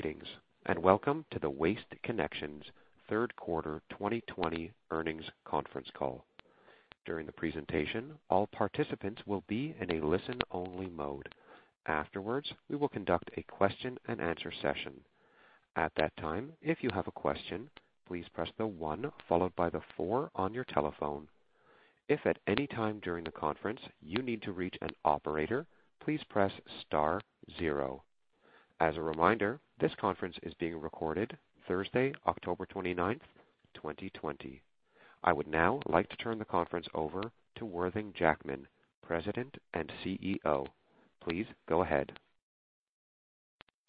Greetings, welcome to the Waste Connections third quarter 2020 earnings conference call. During the presentation, all participants will be in a listen-only mode. Afterwards, we will conduct a question and answer session. At that time, if you have a question, please press the one followed by the four on your telephone. If at any time during the conference you need to reach an operator, please press star zero. As a reminder, this conference is being recorded Thursday, October 29th, 2020. I would now like to turn the conference over to Worthing Jackman, President and CEO. Please go ahead.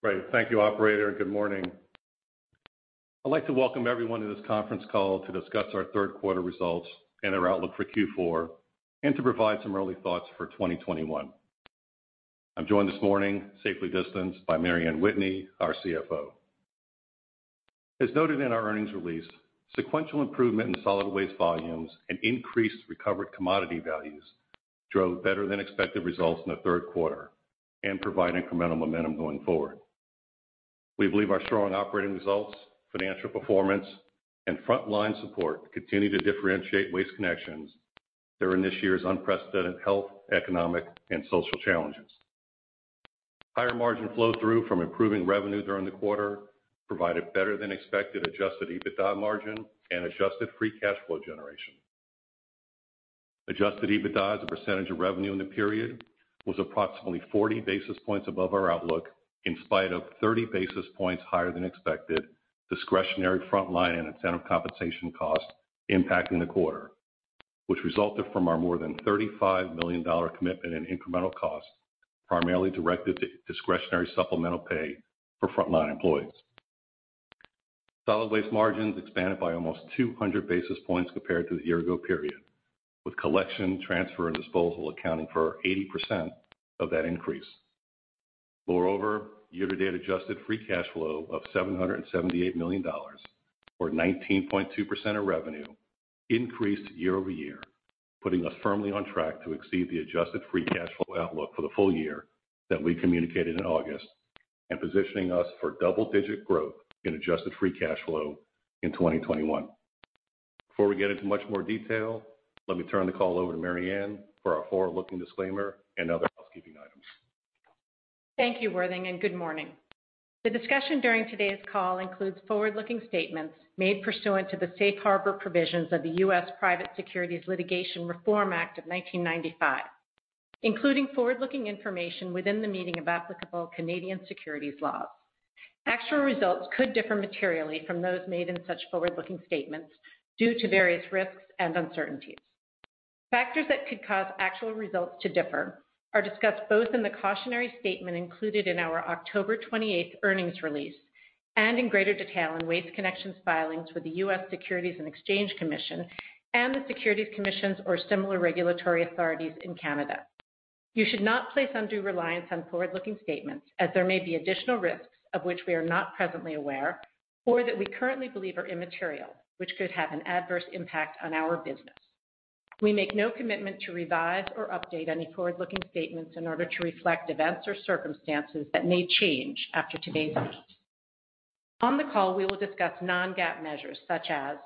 Great. Thank you, operator, and good morning. I'd like to welcome everyone to this conference call to discuss our third quarter results and our outlook for Q4, and to provide some early thoughts for 2021. I'm joined this morning, safely distanced, by Mary Anne Whitney, our CFO. As noted in our earnings release, sequential improvement in solid waste volumes and increased recovered commodity values drove better than expected results in the third quarter and provide incremental momentum going forward. We believe our strong operating results, financial performance, and front-line support continue to differentiate Waste Connections during this year's unprecedented health, economic, and social challenges. Higher margin flow-through from improving revenue during the quarter provided better than expected adjusted EBITDA margin and adjusted free cash flow generation. Adjusted EBITDA as a percentage of revenue in the period was approximately 40 basis points above our outlook in spite of 30 basis points higher than expected discretionary frontline and incentive compensation cost impacting the quarter, which resulted from our more than $35 million commitment in incremental cost, primarily directed to discretionary supplemental pay for frontline employees. Solid waste margins expanded by almost 200 basis points compared to the year ago period, with collection, transfer, and disposal accounting for 80% of that increase. Moreover, year-to-date adjusted free cash flow of $778 million, or 19.2% of revenue, increased year-over-year, putting us firmly on track to exceed the adjusted free cash flow outlook for the full year that we communicated in August and positioning us for double-digit growth in adjusted free cash flow in 2021. Before we get into much more detail, let me turn the call over to Mary Anne Whitney for our forward-looking disclaimer and other housekeeping items. Thank you, Worthing Jackman, and good morning. The discussion during today's call includes forward-looking statements made pursuant to the Safe Harbor provisions of the U.S. Private Securities Litigation Reform Act of 1995, including forward-looking information within the meaning of applicable Canadian securities laws. Actual results could differ materially from those made in such forward-looking statements due to various risks and uncertainties. Factors that could cause actual results to differ are discussed both in the cautionary statement included in our October 28th earnings release and in greater detail in Waste Connections's filings with the U.S. Securities and Exchange Commission and the securities commissions or similar regulatory authorities in Canada. You should not place undue reliance on forward-looking statements as there may be additional risks of which we are not presently aware or that we currently believe are immaterial, which could have an adverse impact on our business. We make no commitment to revise or update any forward-looking statements in order to reflect events or circumstances that may change after today's date. On the call, we will discuss non-GAAP measures such as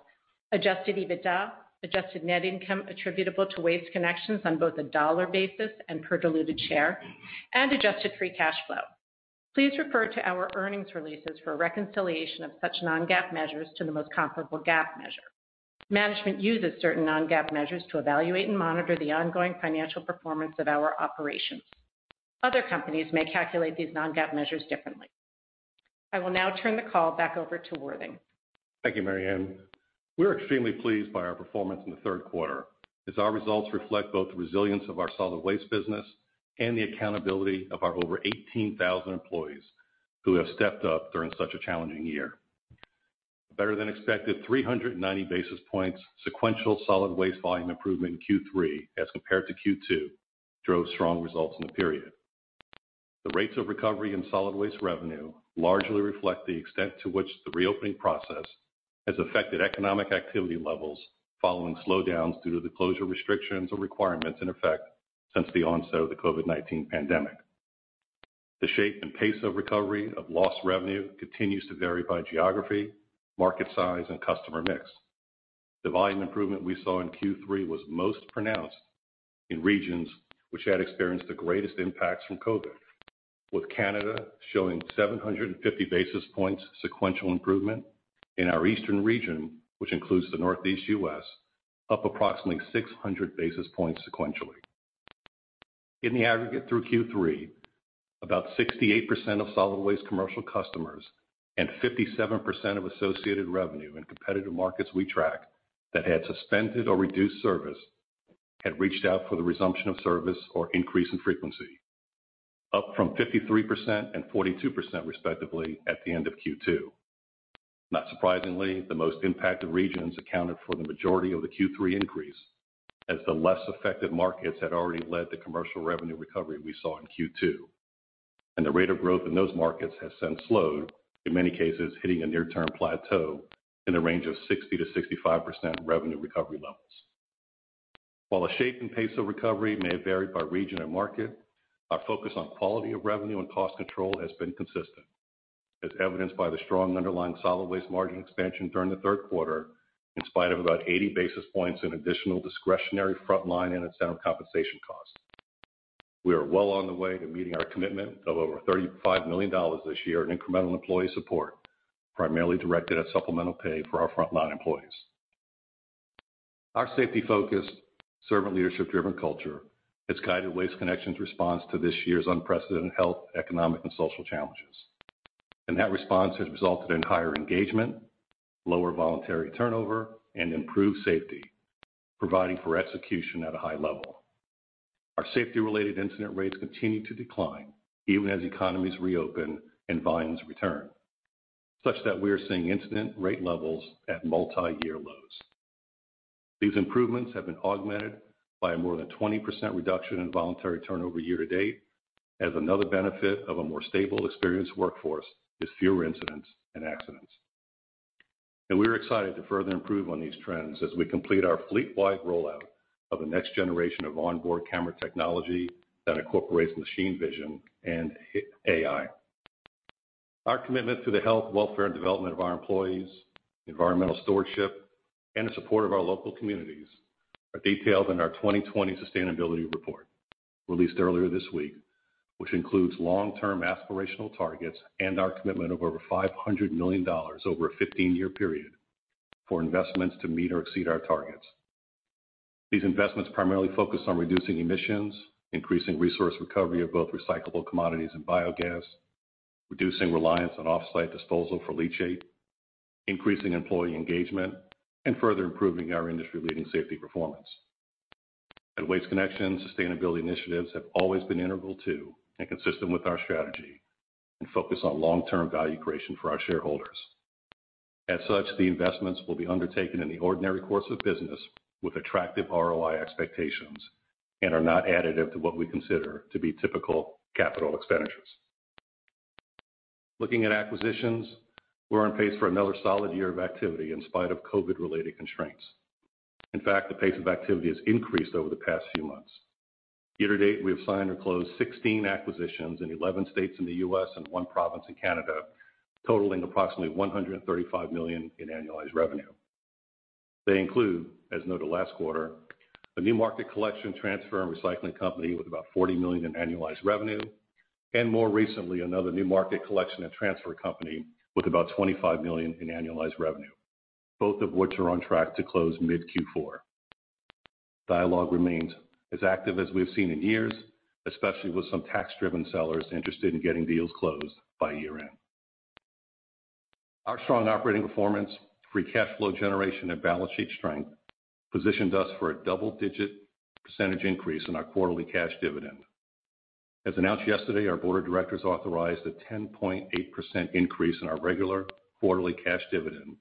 adjusted EBITDA, adjusted net income attributable to Waste Connections on both a dollar basis and per diluted share, and adjusted free cash flow. Please refer to our earnings releases for a reconciliation of such non-GAAP measures to the most comparable GAAP measure. Management uses certain non-GAAP measures to evaluate and monitor the ongoing financial performance of our operations. Other companies may calculate these non-GAAP measures differently. I will now turn the call back over to Worthing Jackman. Thank you, Mary Anne Whitney. We're extremely pleased by our performance in the third quarter as our results reflect both the resilience of our solid waste business and the accountability of our over 18,000 employees who have stepped up during such a challenging year. Better than expected 390 basis points sequential solid waste volume improvement in Q3 as compared to Q2 drove strong results in the period. The rates of recovery in solid waste revenue largely reflect the extent to which the reopening process has affected economic activity levels following slowdowns due to the closure restrictions or requirements in effect since the onset of the COVID-19 pandemic. The shape and pace of recovery of lost revenue continues to vary by geography, market size, and customer mix. The volume improvement we saw in Q3 was most pronounced in regions which had experienced the greatest impacts from COVID, with Canada showing 750 basis points sequential improvement in our eastern region, which includes the Northeast U.S., up approximately 600 basis points sequentially. In the aggregate through Q3, about 68% of solid waste commercial customers and 57% of associated revenue in competitive markets we track that had suspended or reduced service had reached out for the resumption of service or increase in frequency, up from 53% and 42% respectively at the end of Q2. Not surprisingly, the most impacted regions accounted for the majority of the Q3 increase, as the less affected markets had already led the commercial revenue recovery we saw in Q2, and the rate of growth in those markets has since slowed, in many cases, hitting a near-term plateau in the range of 60%-65% revenue recovery levels. While the shape and pace of recovery may have varied by region and market, our focus on quality of revenue and cost control has been consistent, as evidenced by the strong underlying solid waste margin expansion during the third quarter, in spite of about 80 basis points in additional discretionary frontline and incentive compensation costs. We are well on the way to meeting our commitment of over $35 million this year in incremental employee support, primarily directed at supplemental pay for our frontline employees. Our safety-focused, servant leadership-driven culture has guided Waste Connections' response to this year's unprecedented health, economic, and social challenges. That response has resulted in higher engagement, lower voluntary turnover, and improved safety, providing for execution at a high level. Our safety-related incident rates continue to decline even as economies reopen and volumes return, such that we are seeing incident rate levels at multiyear lows. These improvements have been augmented by more than a 20% reduction in voluntary turnover year to date, as another benefit of a more stable experienced workforce is fewer incidents and accidents. We're excited to further improve on these trends as we complete our fleet-wide rollout of the next generation of onboard camera technology that incorporates machine vision and AI. Our commitment to the health, welfare, and development of our employees, environmental stewardship, and the support of our local communities are detailed in our 2020 sustainability report, released earlier this week, which includes long-term aspirational targets and our commitment of over $500 million over a 15-year period for investments to meet or exceed our targets. These investments primarily focus on reducing emissions, increasing resource recovery of both recyclable commodities and biogas, reducing reliance on off-site disposal for leachate, increasing employee engagement, and further improving our industry-leading safety performance. At Waste Connections, sustainability initiatives have always been integral to and consistent with our strategy and focus on long-term value creation for our shareholders. The investments will be undertaken in the ordinary course of business with attractive ROI expectations and are not additive to what we consider to be typical capital expenditures. Looking at acquisitions, we're on pace for another solid year of activity in spite of COVID-related constraints. In fact, the pace of activity has increased over the past few months. Year to date, we have signed or closed 16 acquisitions in 11 states in the U.S. and one province in Canada, totaling approximately $135 million in annualized revenue. They include, as noted last quarter, a new market collection, transfer, and recycling company with about $40 million in annualized revenue, and more recently, another new market collection and transfer company with about $25 million in annualized revenue, both of which are on track to close mid Q4. Dialogue remains as active as we've seen in years, especially with some tax-driven sellers interested in getting deals closed by year-end. Our strong operating performance, free cash flow generation, and balance sheet strength positioned us for a double-digit percentage increase in our quarterly cash dividend. As announced yesterday, our board of directors authorized a 10.8% increase in our regular quarterly cash dividend,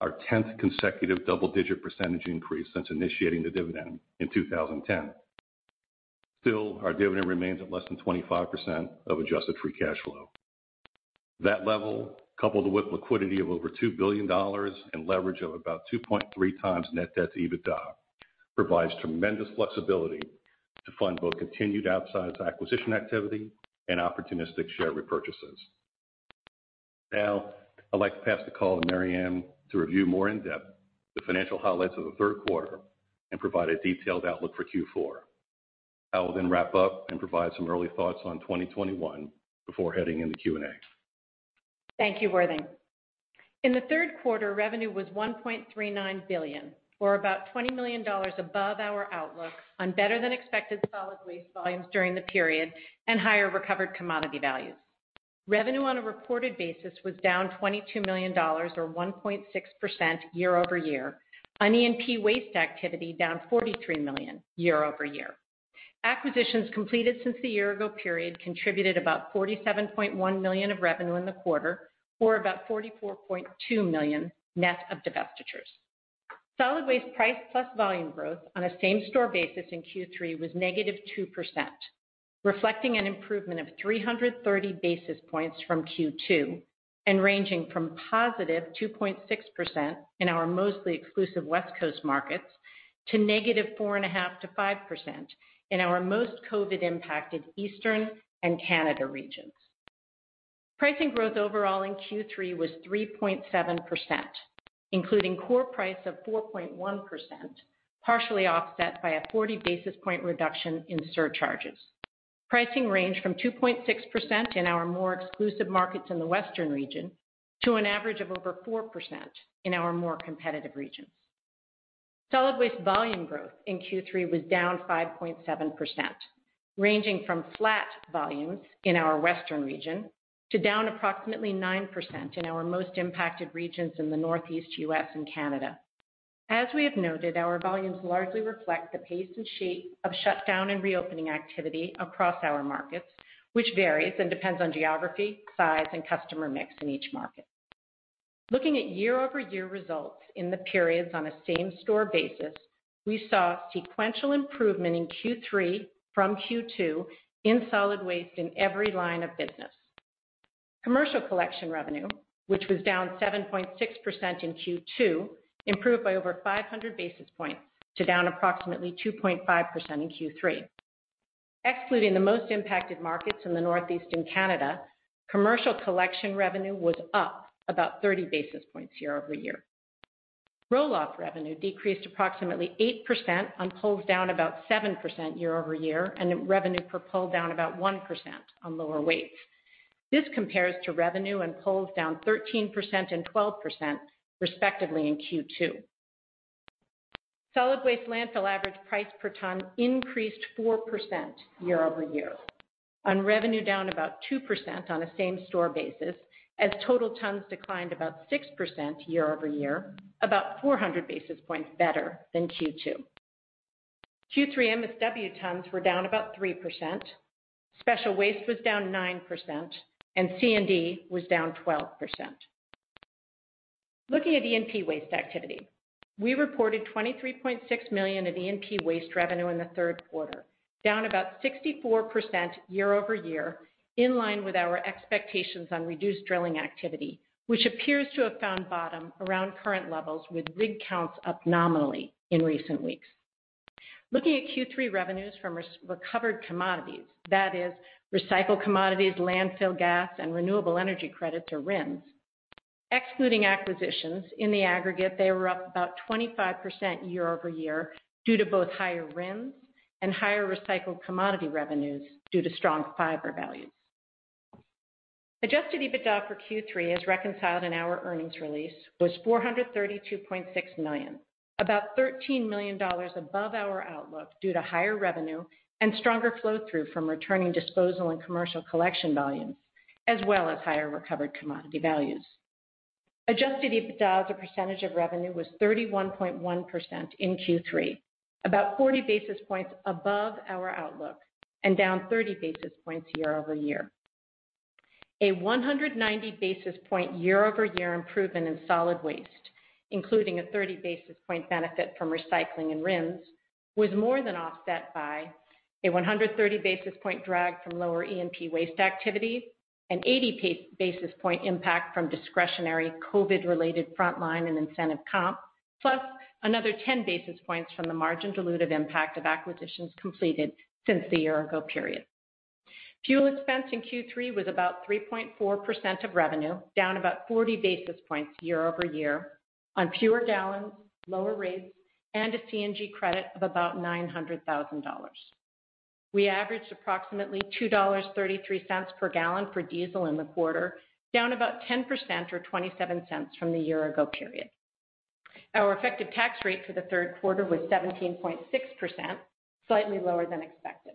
our 10th consecutive double-digit percentage increase since initiating the dividend in 2010. Still, our dividend remains at less than 25% of adjusted free cash flow. That level, coupled with liquidity of over $2 billion and leverage of about 2.3 times net debt to EBITDA, provides tremendous flexibility to fund both continued outsized acquisition activity and opportunistic share repurchases. I'd like to pass the call to Mary Anne Whitney to review more in depth the financial highlights of the third quarter and provide a detailed outlook for Q4. I will then wrap up and provide some early thoughts on 2021 before heading into Q&A. Thank you, Worthing Jackman. In the third quarter, revenue was $1.39 billion, or about $20 million above our outlook on better-than-expected solid waste volumes during the period and higher recovered commodity values. Revenue on a reported basis was down $22 million or 1.6% year-over-year, on E&P waste activity down $43 million year-over-year. Acquisitions completed since the year-ago period contributed about $47.1 million of revenue in the quarter, or about $44.2 million net of divestitures. Solid waste price plus volume growth on a same-store basis in Q3 was -2%, reflecting an improvement of 330 basis points from Q2 and ranging from 2.6% in our mostly exclusive West Coast markets to -4.5% to 5% in our most COVID-19-impacted Eastern and Canada regions. Pricing growth overall in Q3 was 3.7%, including core price of 4.1%, partially offset by a 40-basis point reduction in surcharges. Pricing ranged from 2.6% in our more exclusive markets in the Western region to an average of over 4% in our more competitive regions. Solid waste volume growth in Q3 was down 5.7%, ranging from flat volumes in our Western region to down approximately 9% in our most impacted regions in the Northeast U.S. and Canada. As we have noted, our volumes largely reflect the pace and shape of shutdown and reopening activity across our markets, which varies and depends on geography, size, and customer mix in each market. Looking at year-over-year results in the periods on a same-store basis, we saw sequential improvement in Q3 from Q2 in solid waste in every line of business. Commercial collection revenue, which was down 7.6% in Q2, improved by over 500 basis points to down approximately 2.5% in Q3. Excluding the most impacted markets in the Northeast and Canada, commercial collection revenue was up about 30 basis points year-over-year. Roll-off revenue decreased approximately 8% on pulls down about 7% year-over-year, and revenue per pull down about 1% on lower weights. This compares to revenue and pulls down 13% and 12% respectively in Q2. Solid waste landfill average price per ton increased 4% year-over-year on revenue down about 2% on a same-store basis as total tons declined about 6% year-over-year, about 400 basis points better than Q2. Q3 MSW tons were down about 3%, special waste was down 9%, and C&D was down 12%. Looking at E&P waste activity, we reported $23.6 million of E&P waste revenue in the third quarter, down about 64% year-over-year, in line with our expectations on reduced drilling activity, which appears to have found bottom around current levels with rig counts up nominally in recent weeks. Looking at Q3 revenues from recovered commodities, that is recycled commodities, landfill gas, and renewable energy credits or RINs. Excluding acquisitions, in the aggregate, they were up about 25% year-over-year due to both higher RINs and higher recycled commodity revenues due to strong fiber values. Adjusted EBITDA for Q3, as reconciled in our earnings release, was $432.6 million, about $13 million above our outlook due to higher revenue and stronger flow-through from returning disposal and commercial collection volumes, as well as higher recovered commodity values. Adjusted EBITDA as a percentage of revenue was 31.1% in Q3, about 40 basis points above our outlook and down 30 basis points year-over-year. A 190 basis point year-over-year improvement in solid waste, including a 30 basis point benefit from recycling and RINs, was more than offset by a 130 basis point drag from lower E&P waste activity, an 80 basis point impact from discretionary COVID-related frontline and incentive comp, plus another 10 basis points from the margin dilutive impact of acquisitions completed since the year-ago period. Fuel expense in Q3 was about 3.4% of revenue, down about 40 basis points year-over-year on fewer gallons, lower rates, and a CNG credit of about $900,000. We averaged approximately $2.33 per gallon for diesel in the quarter, down about 10% or $0.27 from the year-ago period. Our effective tax rate for the third quarter was 17.6%, slightly lower than expected.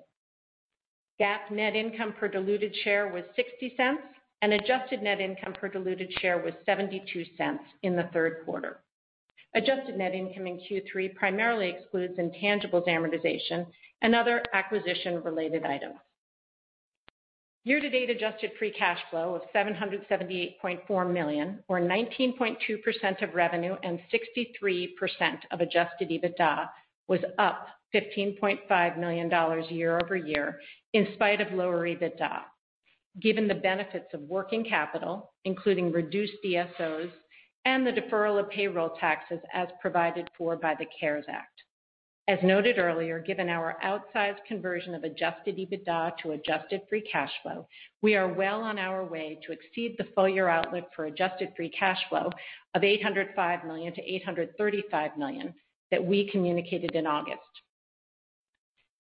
GAAP net income per diluted share was $0.60, and adjusted net income per diluted share was $0.72 in the third quarter. Adjusted net income in Q3 primarily excludes intangibles amortization and other acquisition-related items. Year-to-date adjusted free cash flow of $778.4 million or 19.2% of revenue and 63% of adjusted EBITDA was up $15.5 million year-over-year in spite of lower EBITDA, given the benefits of working capital, including reduced DSOs and the deferral of payroll taxes as provided for by the CARES Act. As noted earlier, given our outsized conversion of adjusted EBITDA to adjusted free cash flow, we are well on our way to exceed the full-year outlook for adjusted free cash flow of $805 million-$835 million that we communicated in August.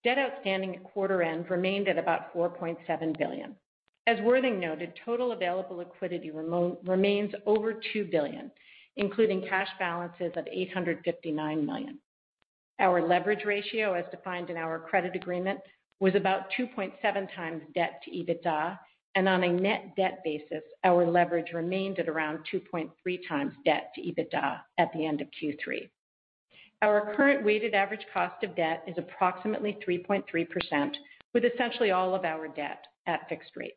Debt outstanding at quarter end remained at about $4.7 billion. As Worthing Jackman noted, total available liquidity remains over $2 billion, including cash balances of $859 million. Our leverage ratio, as defined in our credit agreement, was about 2.7 times debt to EBITDA, and on a net debt basis, our leverage remained at around 2.3 times debt to EBITDA at the end of Q3. Our current weighted average cost of debt is approximately 3.3%, with essentially all of our debt at fixed rates.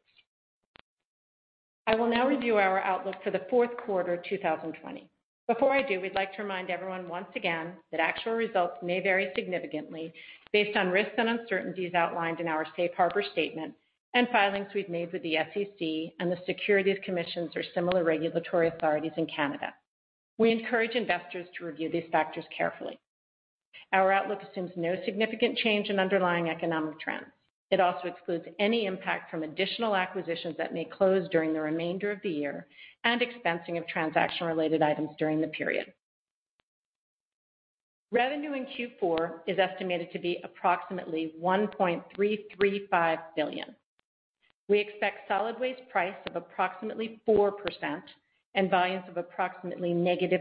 I will now review our outlook for the fourth quarter 2020. Before I do, we'd like to remind everyone once again that actual results may vary significantly based on risks and uncertainties outlined in our safe harbor statement and filings we've made with the SEC and the securities commissions or similar regulatory authorities in Canada. We encourage investors to review these factors carefully. Our outlook assumes no significant change in underlying economic trends. It also excludes any impact from additional acquisitions that may close during the remainder of the year and expensing of transaction-related items during the period. Revenue in Q4 is estimated to be approximately $1.335 billion. We expect solid waste price of approximately 4% and volumes of approximately -6%.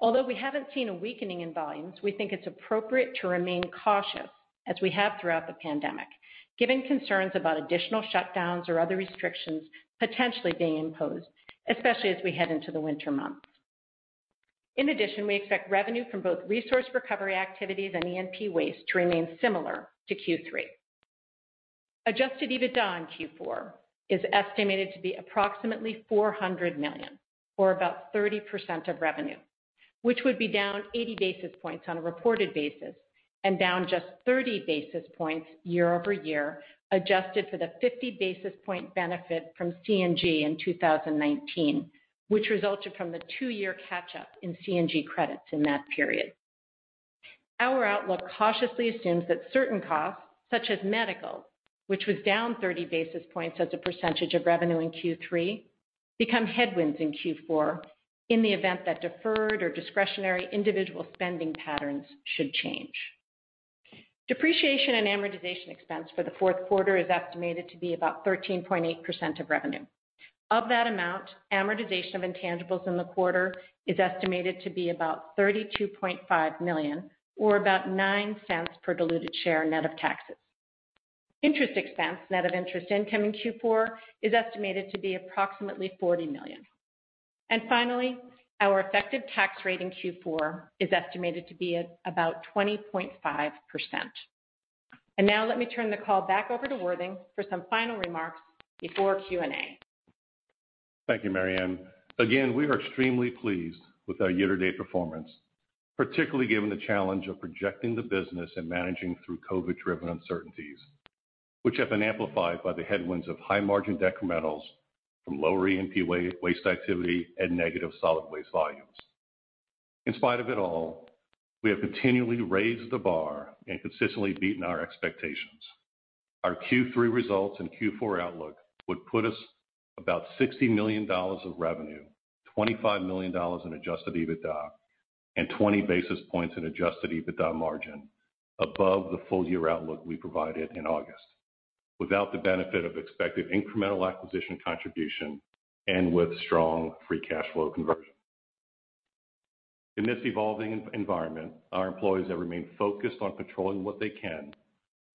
Although we haven't seen a weakening in volumes, we think it's appropriate to remain cautious as we have throughout the pandemic, given concerns about additional shutdowns or other restrictions potentially being imposed, especially as we head into the winter months. In addition, we expect revenue from both resource recovery activities and E&P waste to remain similar to Q3. Adjusted EBITDA in Q4 is estimated to be approximately $400 million or about 30% of revenue, which would be down 80 basis points on a reported basis and down just 30 basis points year over year, adjusted for the 50 basis point benefit from CNG in 2019, which resulted from the two-year catch-up in CNG credits in that period. Our outlook cautiously assumes that certain costs, such as medical, which was down 30 basis points as a percentage of revenue in Q3, become headwinds in Q4 in the event that deferred or discretionary individual spending patterns should change. Depreciation and amortization expense for the fourth quarter is estimated to be about 13.8% of revenue. Of that amount, amortization of intangibles in the quarter is estimated to be about $32.5 million or about $0.09 per diluted share net of taxes. Interest expense net of interest income in Q4 is estimated to be approximately $40 million. Finally, our effective tax rate in Q4 is estimated to be at about 20.5%. Now let me turn the call back over to Worthing Jackman for some final remarks before Q&A. Thank you, Mary Anne Whitney. Again, we are extremely pleased with our year-to-date performance, particularly given the challenge of projecting the business and managing through COVID-19-driven uncertainties, which have been amplified by the headwinds of high margin decrementals from lower E&P waste activity and negative solid waste volumes. In spite of it all, we have continually raised the bar and consistently beaten our expectations. Our Q3 results and Q4 outlook would put us about $60 million of revenue, $25 million in adjusted EBITDA, and 20 basis points in adjusted EBITDA margin above the full-year outlook we provided in August, without the benefit of expected incremental acquisition contribution and with strong free cash flow conversion. In this evolving environment, our employees have remained focused on controlling what they can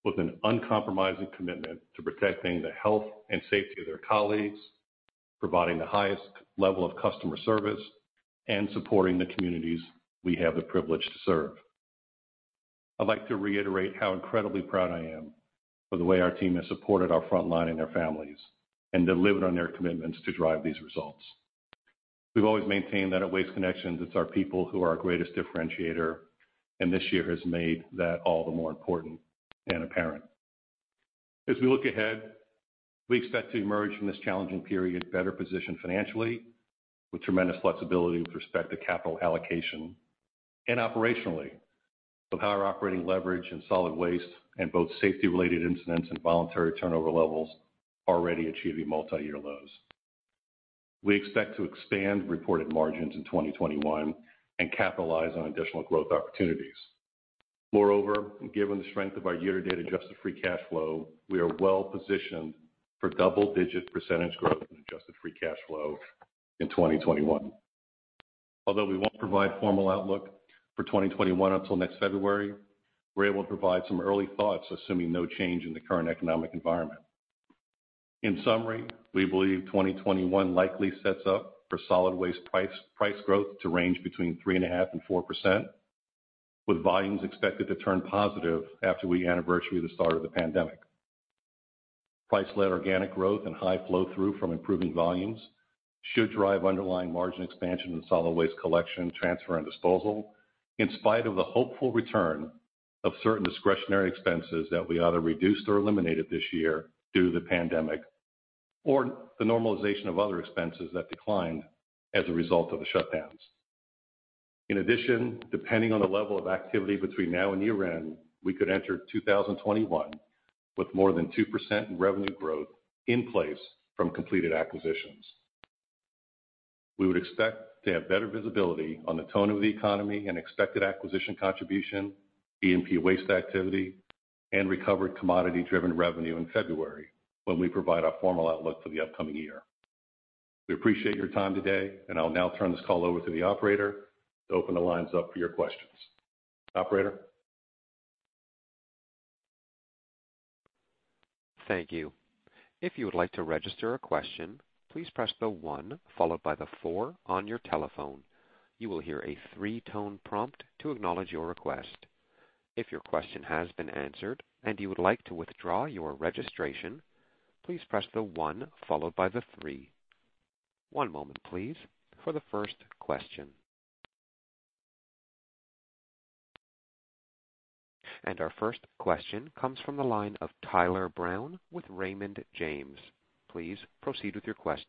with an uncompromising commitment to protecting the health and safety of their colleagues, providing the highest level of customer service, and supporting the communities we have the privilege to serve. I'd like to reiterate how incredibly proud I am of the way our team has supported our frontline and their families and delivered on their commitments to drive these results. We've always maintained that at Waste Connections, it's our people who are our greatest differentiator, and this year has made that all the more important and apparent. As we look ahead, we expect to emerge from this challenging period better positioned financially with tremendous flexibility with respect to capital allocation and operationally, with higher operating leverage and solid waste and both safety-related incidents and voluntary turnover levels already achieving multi-year lows. We expect to expand reported margins in 2021 and capitalize on additional growth opportunities. Moreover, given the strength of our year-to-date adjusted free cash flow, we are well-positioned for double-digit percentage growth in adjusted free cash flow in 2021. Although we won't provide formal outlook for 2021 until next February, we're able to provide some early thoughts, assuming no change in the current economic environment. In summary, we believe 2021 likely sets up for solid waste price growth to range between 3.5% and 4%, with volumes expected to turn positive after we anniversary the start of the pandemic. Price-led organic growth and high flow-through from improving volumes should drive underlying margin expansion in solid waste collection, transfer, and disposal, in spite of the hopeful return of certain discretionary expenses that we either reduced or eliminated this year due to the pandemic or the normalization of other expenses that declined as a result of the shutdowns. Depending on the level of activity between now and year-end, we could enter 2021 with more than 2% in revenue growth in place from completed acquisitions. We would expect to have better visibility on the tone of the economy and expected acquisition contribution, E&P waste activity, and recovered commodity-driven revenue in February when we provide our formal outlook for the upcoming year. We appreciate your time today. I'll now turn this call over to the operator to open the lines up for your questions. Operator? Thank you. If you'd like to register a question, please press star one followed by the four on your phone. You'll hear a three-tone prompt to acknowledge your request. If our question has been answered and you'd like to withdraw your registration please press the one followed by three. One moment, please, for the first question. Our first question comes from the line of Tyler Brown with Raymond James. Please proceed with your question.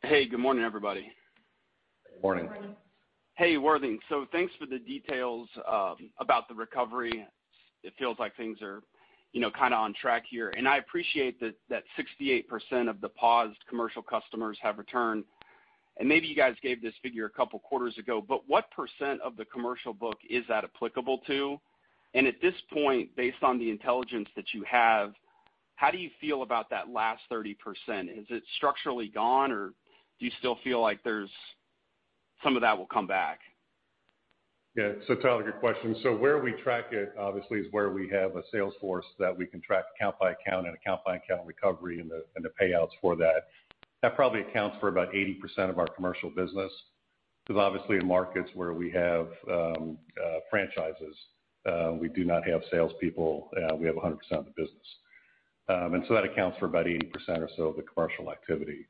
Hey, good morning, everybody. Morning. Hey, Worthing Jackman. Thanks for the details about the recovery. It feels like things are on track here, and I appreciate that 68% of the paused commercial customers have returned, and maybe you guys gave this figure a couple of quarters ago, but what percent of the commercial book is that applicable to? At this point, based on the intelligence that you have, how do you feel about that last 30%? Is it structurally gone, or do you still feel like some of that will come back? Yeah. Tyler Brown, good question. Where we track it, obviously, is where we have a sales force that we can track account by account and account by account recovery and the payouts for that. That probably accounts for about 80% of our commercial business, because obviously in markets where we have franchises, we do not have salespeople. We have 100% of the business. That accounts for about 80% or so of the commercial activity.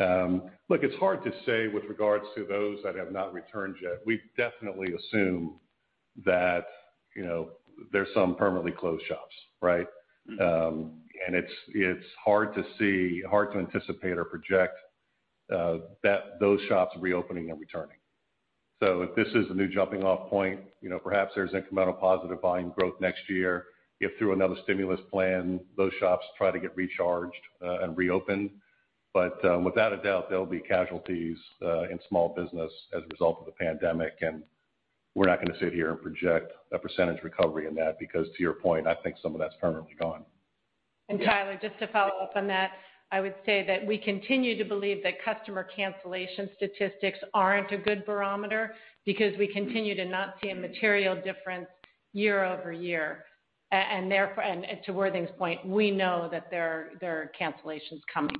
Look, it's hard to say with regards to those that have not returned yet. We definitely assume that there's some permanently closed shops, right? It's hard to see, hard to anticipate or project those shops reopening and returning. If this is the new jumping off point, perhaps there's incremental positive volume growth next year, if through another stimulus plan, those shops try to get recharged, and reopen. Without a doubt, there'll be casualties in small business as a result of the pandemic, and we're not going to sit here and project a percentage recovery in that, because to your point, I think some of that's permanently gone. Tyler Brown, just to follow up on that, I would say that we continue to believe that customer cancellation statistics aren't a good barometer, because we continue to not see a material difference year-over-year. To Worthing's point, we know that there are cancellations coming.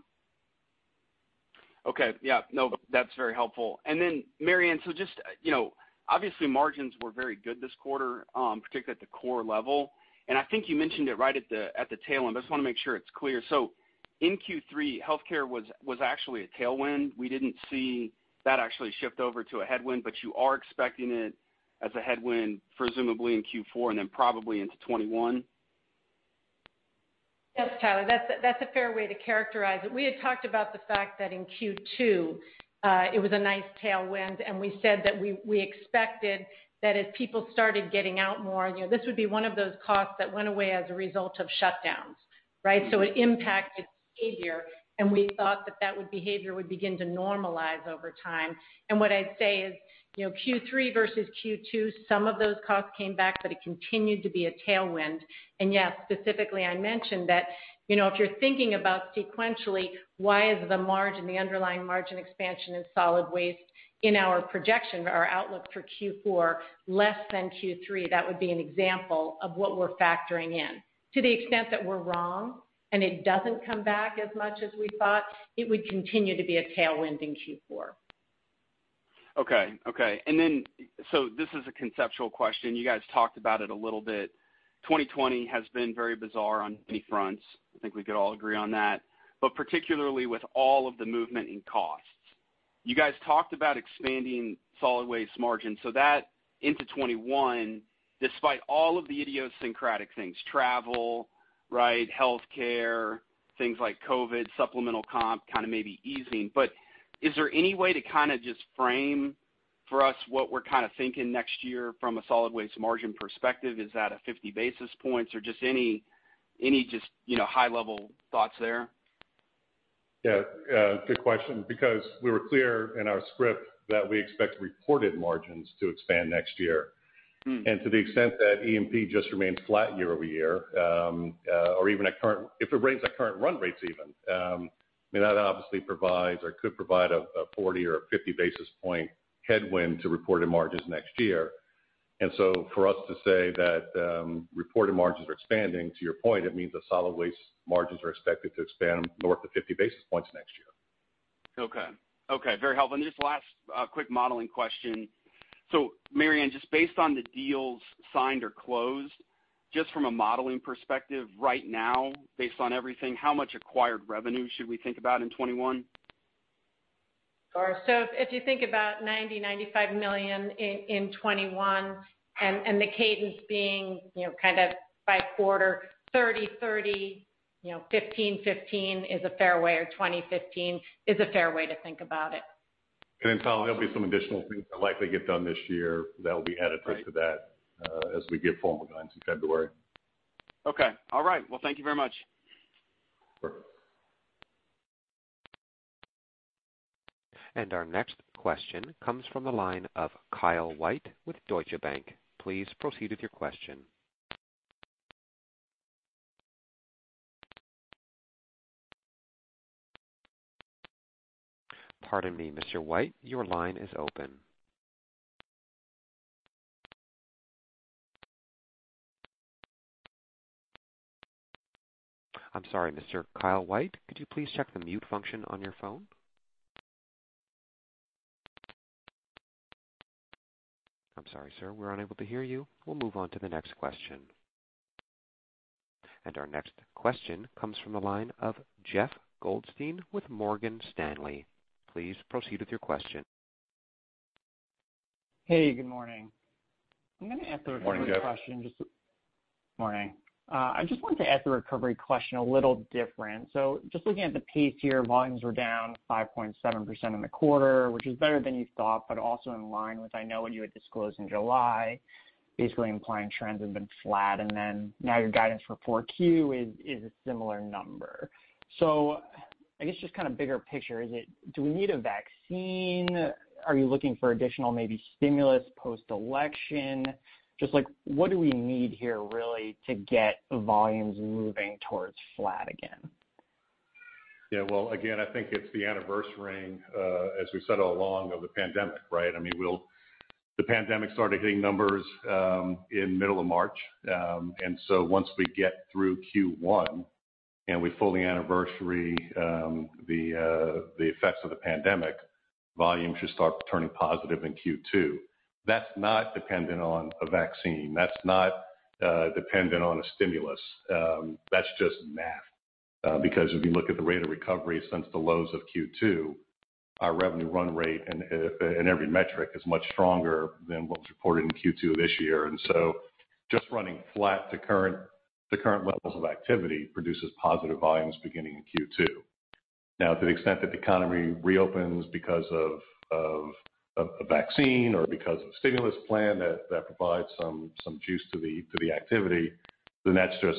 Okay. Yeah, no, that's very helpful. Then Mary Anne Whitney, obviously margins were very good this quarter, particularly at the core level, and I think you mentioned it right at the tail end, I just want to make sure it's clear. In Q3, healthcare was actually a tailwind. We didn't see that actually shift over to a headwind, but you are expecting it as a headwind, presumably in Q4 and then probably into 2021? Yes, Tyler Brown, that's a fair way to characterize it. We had talked about the fact that in Q2, it was a nice tailwind, and we said that we expected that if people started getting out more, this would be one of those costs that went away as a result of shutdowns. Right? It impacted behavior, and we thought that that behavior would begin to normalize over time. What I'd say is, Q3 versus Q2, some of those costs came back, but it continued to be a tailwind. Yes, specifically, I mentioned that if you're thinking about sequentially, why is the margin, the underlying margin expansion in solid waste in our projection or our outlook for Q4 less than Q3? That would be an example of what we're factoring in. To the extent that we're wrong, and it doesn't come back as much as we thought, it would continue to be a tailwind in Q4. Okay. This is a conceptual question. You guys talked about it a little bit. 2020 has been very bizarre on many fronts. I think we could all agree on that. Particularly with all of the movement in costs. You guys talked about expanding solid waste margin into 2021, despite all of the idiosyncratic things, travel, healthcare, things like COVID-19, supplemental comp, kind of maybe easing. Is there any way to kind of just frame for us what we're kind of thinking next year from a solid waste margin perspective? Is that a 50 basis points or just any high level thoughts there? Yeah. Good question, because we were clear in our script that we expect reported margins to expand next year. To the extent that E&P just remains flat year-over-year, or even if it remains at current run rates even, I mean, that obviously provides or could provide a 40 or a 50 basis point headwind to reported margins next year. For us to say that reported margins are expanding, to your point, it means that solid waste margins are expected to expand north of 50 basis points next year. Okay. Very helpful. Then just last quick modeling question. Mary Anne Whitney, just based on the deals signed or closed, just from a modeling perspective right now, based on everything, how much acquired revenue should we think about in 2021? Sure. If you think about $90 million-$95 million in 2021 and the cadence being, kind of by quarter, 30/30, 15/15 is a fair way, or 20/15 is a fair way to think about it. Tyler, there'll be some additional things that'll likely get done this year that'll be added to that, as we give formal guidance in February. Okay. All right. Well, thank you very much. Sure. Our next question comes from the line of Kyle White with Deutsche Bank. Please proceed with your question. Pardon me, Mr. White. Your line is open. I'm sorry, Mr. Kyle White, could you please check the mute function on your phone? I'm sorry, sir. We're unable to hear you. We'll move on to the next question. Our next question comes from the line of Jeffrey Goldstein with Morgan Stanley. Please proceed with your question. Hey, good morning. I'm going to ask a recovery question. Morning, Jeffrey Goldstein. Morning. I just wanted to ask the recovery question a little different. Just looking at the pace here, volumes were down 5.7% in the quarter, which is better than you thought, but also in line with I know what you had disclosed in July, basically implying trends have been flat. Then now your guidance for Q4 is a similar number. I guess just kind of bigger picture, do we need a vaccine? Are you looking for additional maybe stimulus post-election? Just like what do we need here really to get volumes moving towards flat again? Yeah. Well, again, I think it's the anniversaring, as we said all along, of the pandemic, right? I mean, the pandemic started hitting numbers in middle of March. Once we get through Q1, and we fully anniversary the effects of the pandemic. Volumes should start turning positive in Q2. That's not dependent on a vaccine. That's not dependent on a stimulus. That's just math. Because if you look at the rate of recovery since the lows of Q2, our revenue run rate and every metric is much stronger than what's reported in Q2 of this year. Just running flat to current levels of activity produces positive volumes beginning in Q2. Now, to the extent that the economy reopens because of a vaccine or because of a stimulus plan that provides some juice to the activity, then that's just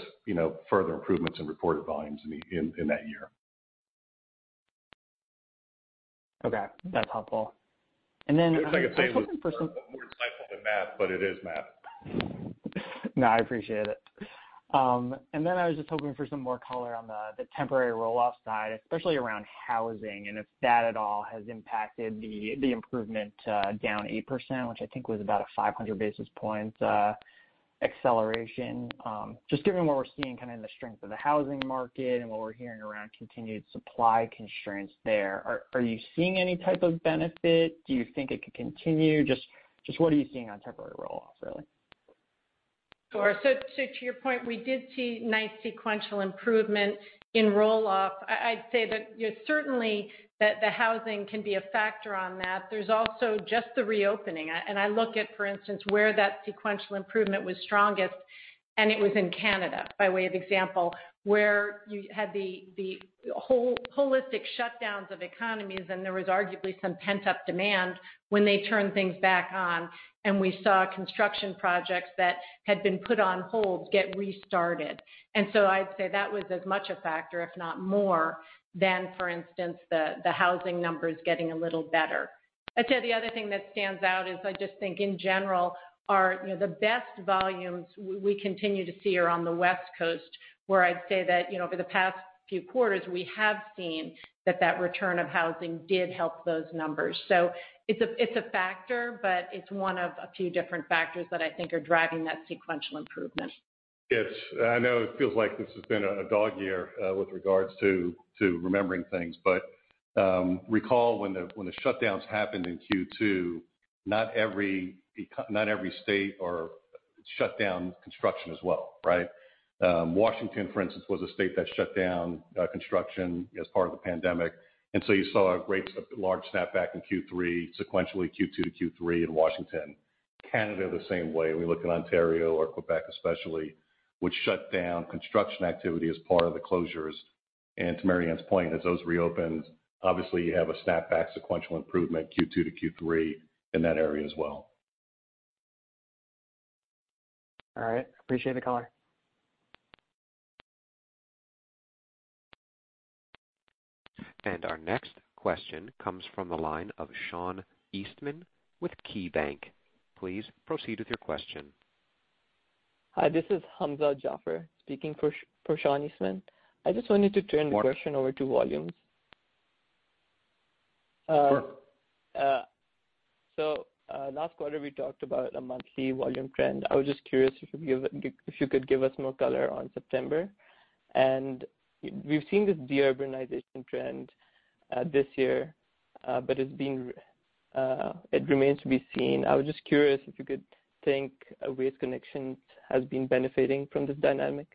further improvements in reported volumes in that year. Okay. That's helpful. I was just hoping for some- It sounds more insightful than math, but it is math. No, I appreciate it. I was just hoping for some more color on the temporary roll-off side, especially around housing, and if that at all has impacted the improvement down 8%, which I think was about a 500 basis points acceleration. Given what we're seeing in the strength of the housing market and what we're hearing around continued supply constraints there, are you seeing any type of benefit? Do you think it could continue? What are you seeing on temporary roll-off, really? Sure. To your point, we did see nice sequential improvement in roll-off. I'd say that certainly that the housing can be a factor on that. There's also just the reopening. I look at, for instance, where that sequential improvement was strongest, and it was in Canada, by way of example, where you had the holistic shutdowns of economies, and there was arguably some pent-up demand when they turned things back on. We saw construction projects that had been put on hold get restarted. I'd say that was as much a factor, if not more, than, for instance, the housing numbers getting a little better. I'd say the other thing that stands out is I just think in general are the best volumes we continue to see are on the West Coast, where I'd say that over the past few quarters, we have seen that return of housing did help those numbers. It's a factor, but it's one of a few different factors that I think are driving that sequential improvement. Yes. I know it feels like this has been a dog year with regards to remembering things. Recall when the shutdowns happened in Q2, not every state shut down construction as well, right? Washington, for instance, was a state that shut down construction as part of the pandemic. You saw a great large snapback in Q3, sequentially Q2 to Q3 in Washington. Canada, the same way. We look at Ontario or Quebec especially, which shut down construction activity as part of the closures. To Mary Anne's point, as those reopened, obviously you have a snapback sequential improvement Q2 to Q3 in that area as well. All right. Appreciate the color. Our next question comes from the line of Sean Eastman with KeyBanc Capital Markets. Please proceed with your question. Hi, this is Hamza Jaffer speaking for Sean Eastman. I just wanted to turn the question over to volumes. Sure. Last quarter we talked about a monthly volume trend. I was just curious if you could give us more color on September. We've seen this de-urbanization trend this year, but it remains to be seen. I was just curious if you could think if Waste Connections has been benefiting from this dynamic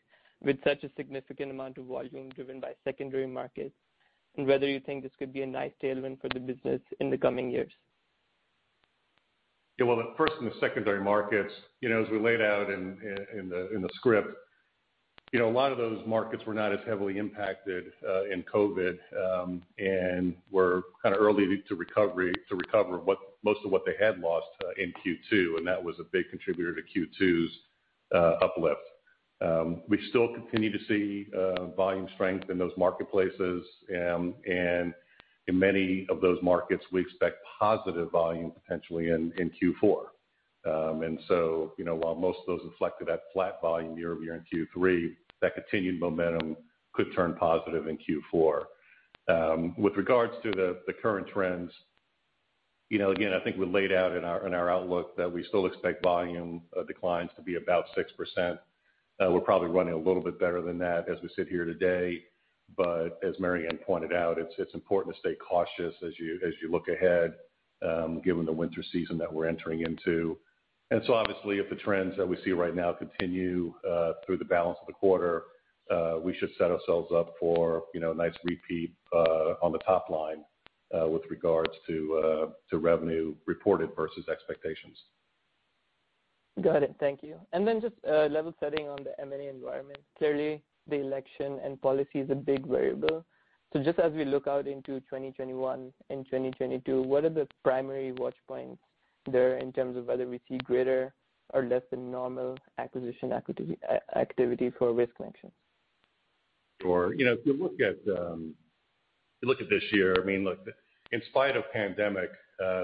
with such a significant amount of volume driven by secondary markets, and whether you think this could be a nice tailwind for the business in the coming years. Well, first in the secondary markets, as we laid out in the script, a lot of those markets were not as heavily impacted in COVID-19, and were early to recover most of what they had lost in Q2, and that was a big contributor to Q2's uplift. We still continue to see volume strength in those marketplaces. In many of those markets, we expect positive volume potentially in Q4. While most of those reflected that flat volume year-over-year in Q3, that continued momentum could turn positive in Q4. With regards to the current trends, again, I think we laid out in our outlook that we still expect volume declines to be about 6%. We're probably running a little bit better than that as we sit here today. As Mary Anne Whitney pointed out, it's important to stay cautious as you look ahead, given the winter season that we're entering into. Obviously, if the trends that we see right now continue through the balance of the quarter, we should set ourselves up for a nice repeat on the top line with regards to revenue reported versus expectations. Got it. Thank you. Just level setting on the M&A environment. Clearly, the election and policy is a big variable. Just as we look out into 2021 and 2022, what are the primary watch points there in terms of whether we see greater or less than normal acquisition activity for Waste Connections? Sure. If you look at this year, in spite of pandemic,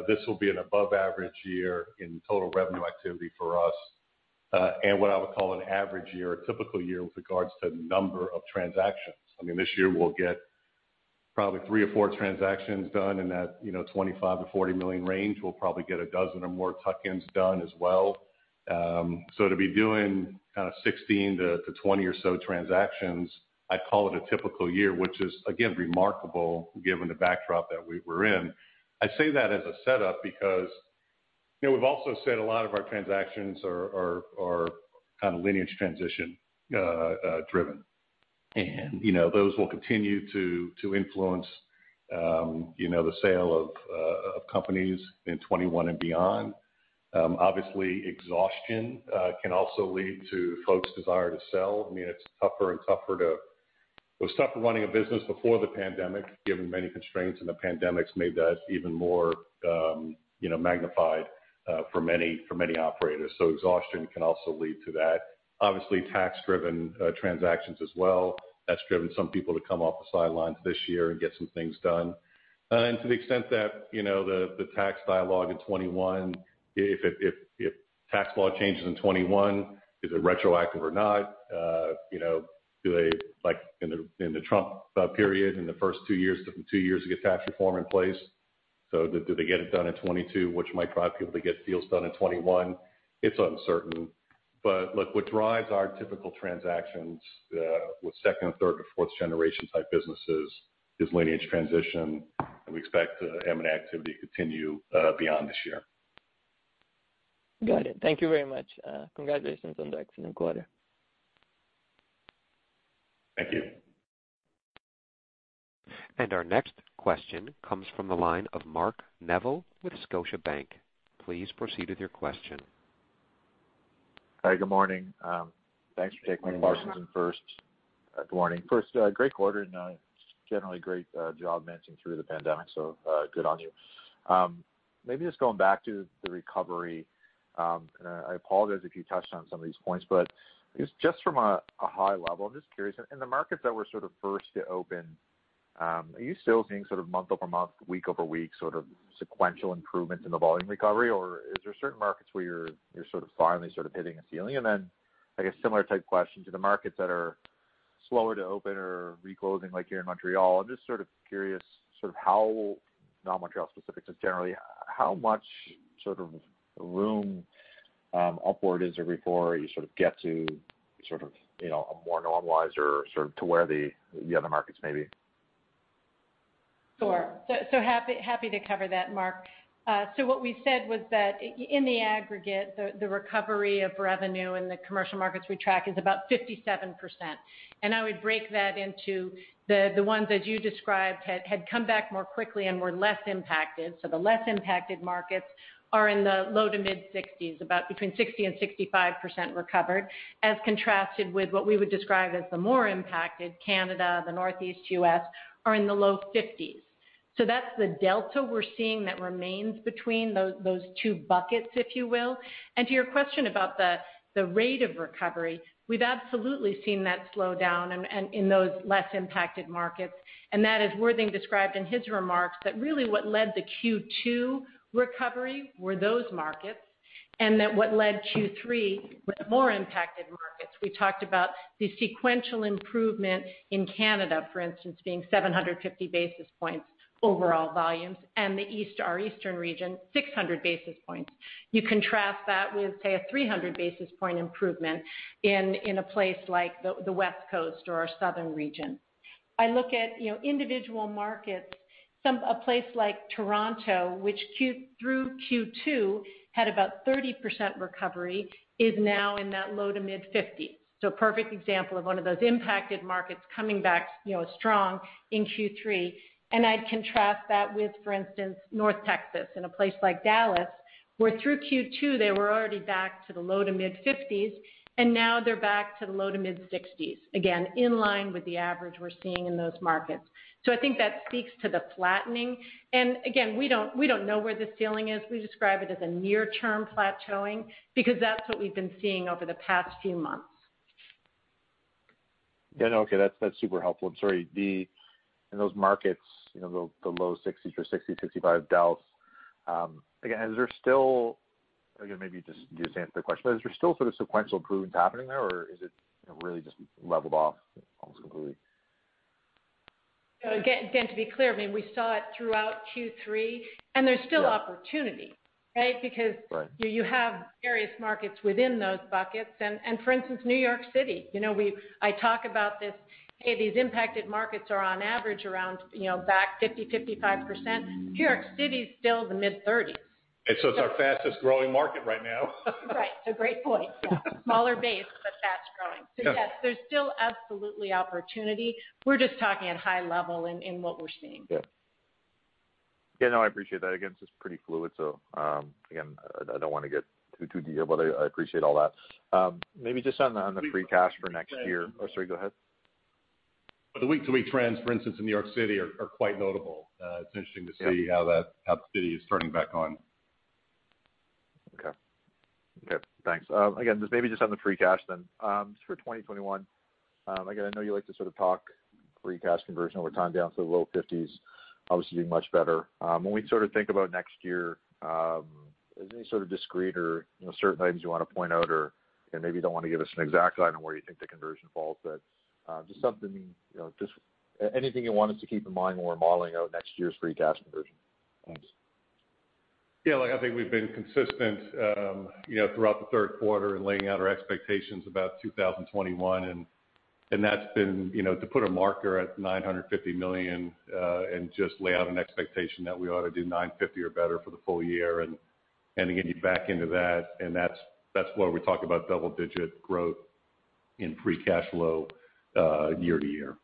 this will be an above average year in total revenue activity for us. What I would call an average year, a typical year with regards to number of transactions. This year we'll get probably three or four transactions done in that $25 million-$40 million range. We'll probably get a dozen or more tuck-ins done as well. To be doing 16-20 or so transactions, I'd call it a typical year, which is again remarkable given the backdrop that we were in. I say that as a setup because We've also said a lot of our transactions are kind of lineage transition-driven. Those will continue to influence the sale of companies in 2021 and beyond. Obviously, exhaustion can also lead to folks' desire to sell. It was tougher running a business before the pandemic, given many constraints, and the pandemic's made that even more magnified for many operators. Exhaustion can also lead to that. Obviously, tax-driven transactions as well. That's driven some people to come off the sidelines this year and get some things done. To the extent that the tax dialogue in 2021, if tax law changes in 2021, is it retroactive or not? Do they, like in the Trump period, in the first two years, took them two years to get tax reform in place. Do they get it done in 2022, which might drive people to get deals done in 2021? It's uncertain. Look, what drives our typical transactions with second or third or fourth generation type businesses is lineage transition, and we expect M&A activity to continue beyond this year. Got it. Thank you very much. Congratulations on the excellent quarter. Thank you. Our next question comes from the line of Mark Neville with Scotiabank. Please proceed with your question. Hi, good morning. Thanks for taking my questions. Good morning. First, good morning. First, great quarter, and generally great job managing through the pandemic. Good on you. Maybe just going back to the recovery, and I apologize if you touched on some of these points, but I guess just from a high level, I'm just curious, in the markets that were sort of first to open, are you still seeing sort of month-over-month, week-over-week, sort of sequential improvements in the volume recovery, or are there certain markets where you're sort of finally sort of hitting a ceiling? Then I guess similar type question to the markets that are slower to open or reclosing like here in Montreal. I'm just sort of curious, not Montreal specific, just generally, how much sort of room upward is there before you sort of get to a more normalized or sort of to where the other markets may be? Sure. Happy to cover that, Mark Neville. What we said was that in the aggregate, the recovery of revenue in the commercial markets we track is about 57%. I would break that into the ones that you described had come back more quickly and were less impacted. The less impacted markets are in the low to mid-60s%, about between 60% and 65% recovered, as contrasted with what we would describe as the more impacted, Canada, the Northeast U.S., are in the low 50s%. That's the delta we're seeing that remains between those two buckets, if you will. To your question about the rate of recovery, we've absolutely seen that slow down in those less impacted markets. That is Worthing Jackman described in his remarks that really what led the Q2 recovery were those markets, and that what led Q3 were the more impacted markets. We talked about the sequential improvement in Canada, for instance, being 750 basis points overall volumes, and our eastern region, 600 basis points. You contrast that with, say, a 300 basis point improvement in a place like the West Coast or our southern region. I look at individual markets. A place like Toronto, which through Q2 had about 30% recovery, is now in that low to mid-50s%. Perfect example of one of those impacted markets coming back strong in Q3. I'd contrast that with, for instance, North Texas in a place like Dallas, where through Q2, they were already back to the low to mid-50s%, and now they're back to the low to mid-60s%, again, in line with the average we're seeing in those markets. I think that speaks to the flattening. Again, we don't know where the ceiling is. We describe it as a near term plateauing because that's what we've been seeing over the past few months. Yeah, no, okay. That's super helpful. Sorry, in those markets, the low 60s% or 60%-65%, Dallas. Again, maybe just to answer the question, but is there still sort of sequential improvements happening there, or is it really just leveled off almost completely? Again, to be clear, we saw it throughout Q3, and there's still opportunity, right? Right. Because you have various markets within those buckets. For instance, New York City. I talk about this, hey, these impacted markets are on average around back 50%-55%. New York City is still in the mid-30s%. It's our fastest growing market right now. Right. It's a great point. Yeah. Smaller base, but fast-growing. Yeah. Yes, there's still absolutely opportunity. We're just talking at high level in what we're seeing. Yeah, no, I appreciate that. Again, it's just pretty fluid, so again, I don't want to get too detailed, but I appreciate all that. Maybe just on the free cash for next year. Oh, sorry, go ahead. The week-to-week trends, for instance, in New York City are quite notable. It's interesting to see how the city is turning back on. Okay. Thanks. just maybe just on the free cash then. For 2021, I know you like to sort of talk free cash conversion over time down to the low 50s%, obviously much better. We sort of think about next year, is there any sort of discrete or certain items you want to point out, or maybe you don't want to give us an exact item where you think the conversion falls, just anything you want us to keep in mind when we're modeling out next year's free cash conversion? Thanks. I think we've been consistent throughout the third quarter in laying out our expectations about 2021, and to put a marker at $950 million and just lay out an expectation that we ought to do $950 or better for the full year and getting you back into that, and that's why we talk about double-digit growth in free cash flow year-to-year.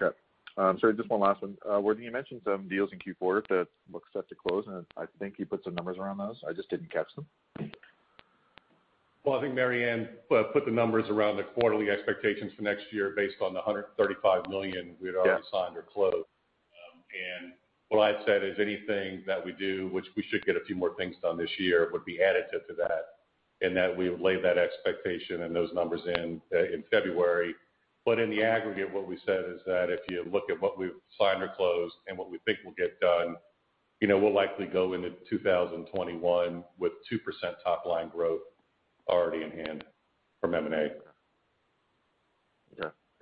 Okay. Sorry, just one last one. Worthing Jackman, you mentioned some deals in Q4 that look set to close, and I think you put some numbers around those. I just didn't catch them. Well, I think Mary Anne Whitney put the numbers around the quarterly expectations for next year based on the $135 million we had already signed or closed. What I had said is anything that we do, which we should get a few more things done this year, would be additive to that, and that we would lay that expectation and those numbers in February. In the aggregate, what we said is that if you look at what we've signed or closed and what we think will get done, we'll likely go into 2021 with 2% top-line growth already in hand from M&A.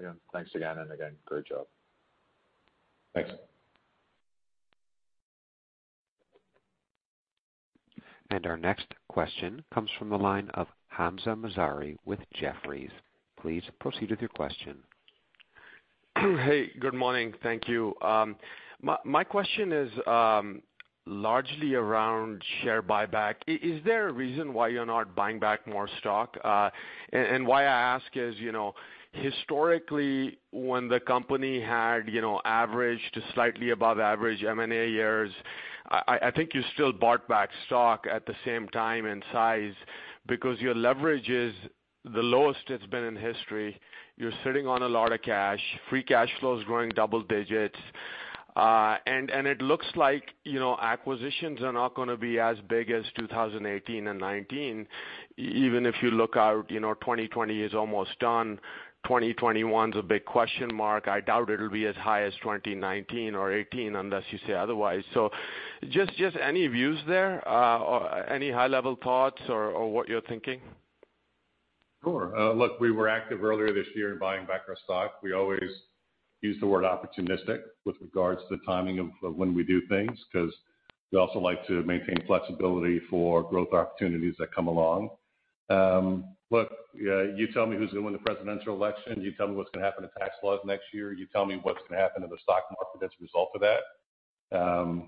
Yeah. Thanks again, and again, great job. Thanks. Our next question comes from the line of Hamzah Mazari with Jefferies. Please proceed with your question. Hey, good morning. Thank you. My question is largely around share buyback. Is there a reason why you're not buying back more stock? Why I ask is, historically, when the company had average to slightly above average M&A years, I think you still bought back stock at the same time and size because your leverage is the lowest it's been in history. You're sitting on a lot of cash, free cash flow is growing double digits. It looks like acquisitions are not going to be as big as 2018 and 2019. Even if you look out, 2020 is almost done. 2021's a big question mark. I doubt it'll be as high as 2019 or 2018 unless you say otherwise. Just any views there? Any high-level thoughts or what you're thinking? Sure. Look, we were active earlier this year in buying back our stock. We always use the word opportunistic with regards to the timing of when we do things, because we also like to maintain flexibility for growth opportunities that come along. Look, you tell me who's going to win the presidential election, you tell me what's going to happen to tax laws next year, you tell me what's going to happen to the stock market as a result of that.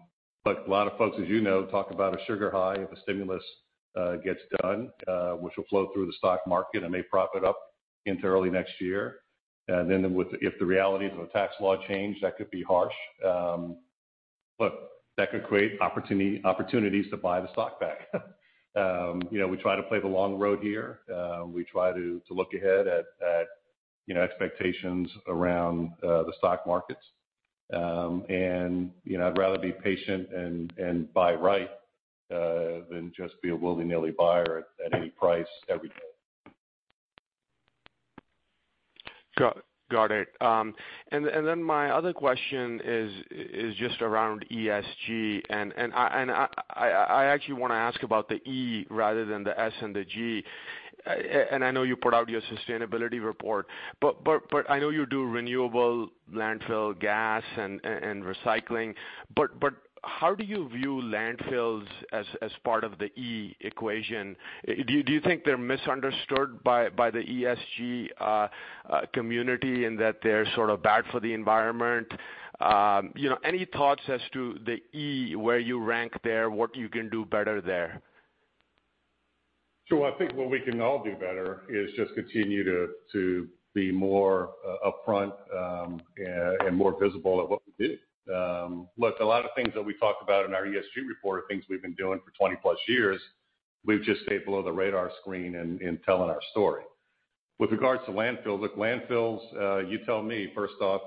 Look, a lot of folks, as you know, talk about a sugar high if a stimulus gets done, which will flow through the stock market and may prop it up into early next year. If the reality is of a tax law change, that could be harsh. Look, that could create opportunities to buy the stock back. We try to play the long road here. We try to look ahead at expectations around the stock markets. I'd rather be patient and buy right, than just be a willy-nilly buyer at any price every day. Got it. My other question is just around ESG, and I actually want to ask about the E rather than the S and the G. I know you put out your sustainability report, but I know you do renewable landfill gas and recycling, but how do you view landfills as part of the E equation? Do you think they're misunderstood by the ESG community and that they're sort of bad for the environment? Any thoughts as to the E, where you rank there, what you can do better there? Sure. I think what we can all do better is just continue to be more upfront and more visible at what we do. Look, a lot of things that we talk about in our ESG report are things we've been doing for 20+ years. We've just stayed below the radar screen in telling our story. With regards to landfills, look, landfills, you tell me, first off.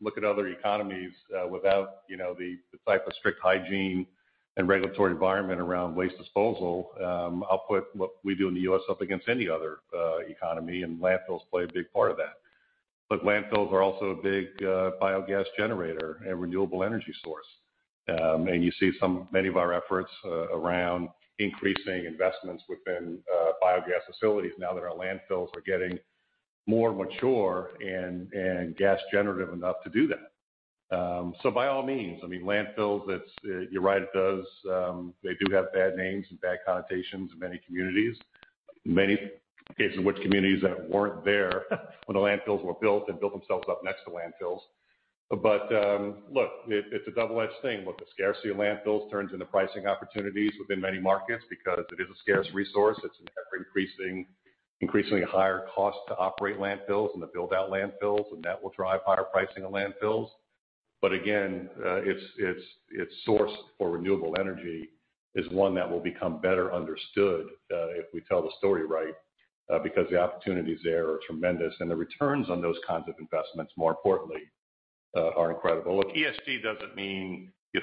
Look at other economies without the type of strict hygiene and regulatory environment around waste disposal. I'll put what we do in the U.S. up against any other economy. Landfills play a big part of that. Landfills are also a big biogas generator and renewable energy source. You see many of our efforts around increasing investments within biogas facilities now that our landfills are getting more mature and gas generative enough to do that. By all means, landfills, you're right, they do have bad names and bad connotations in many communities. In many cases, communities that weren't there when the landfills were built, then built themselves up next to landfills. Look, it's a double-edged thing. Look, the scarcity of landfills turns into pricing opportunities within many markets because it is a scarce resource. It's an ever increasingly higher cost to operate landfills and to build out landfills, and that will drive higher pricing of landfills. Again, its source for renewable energy is one that will become better understood if we tell the story right, because the opportunities there are tremendous, and the returns on those kinds of investments, more importantly, are incredible. Look, ESG doesn't mean you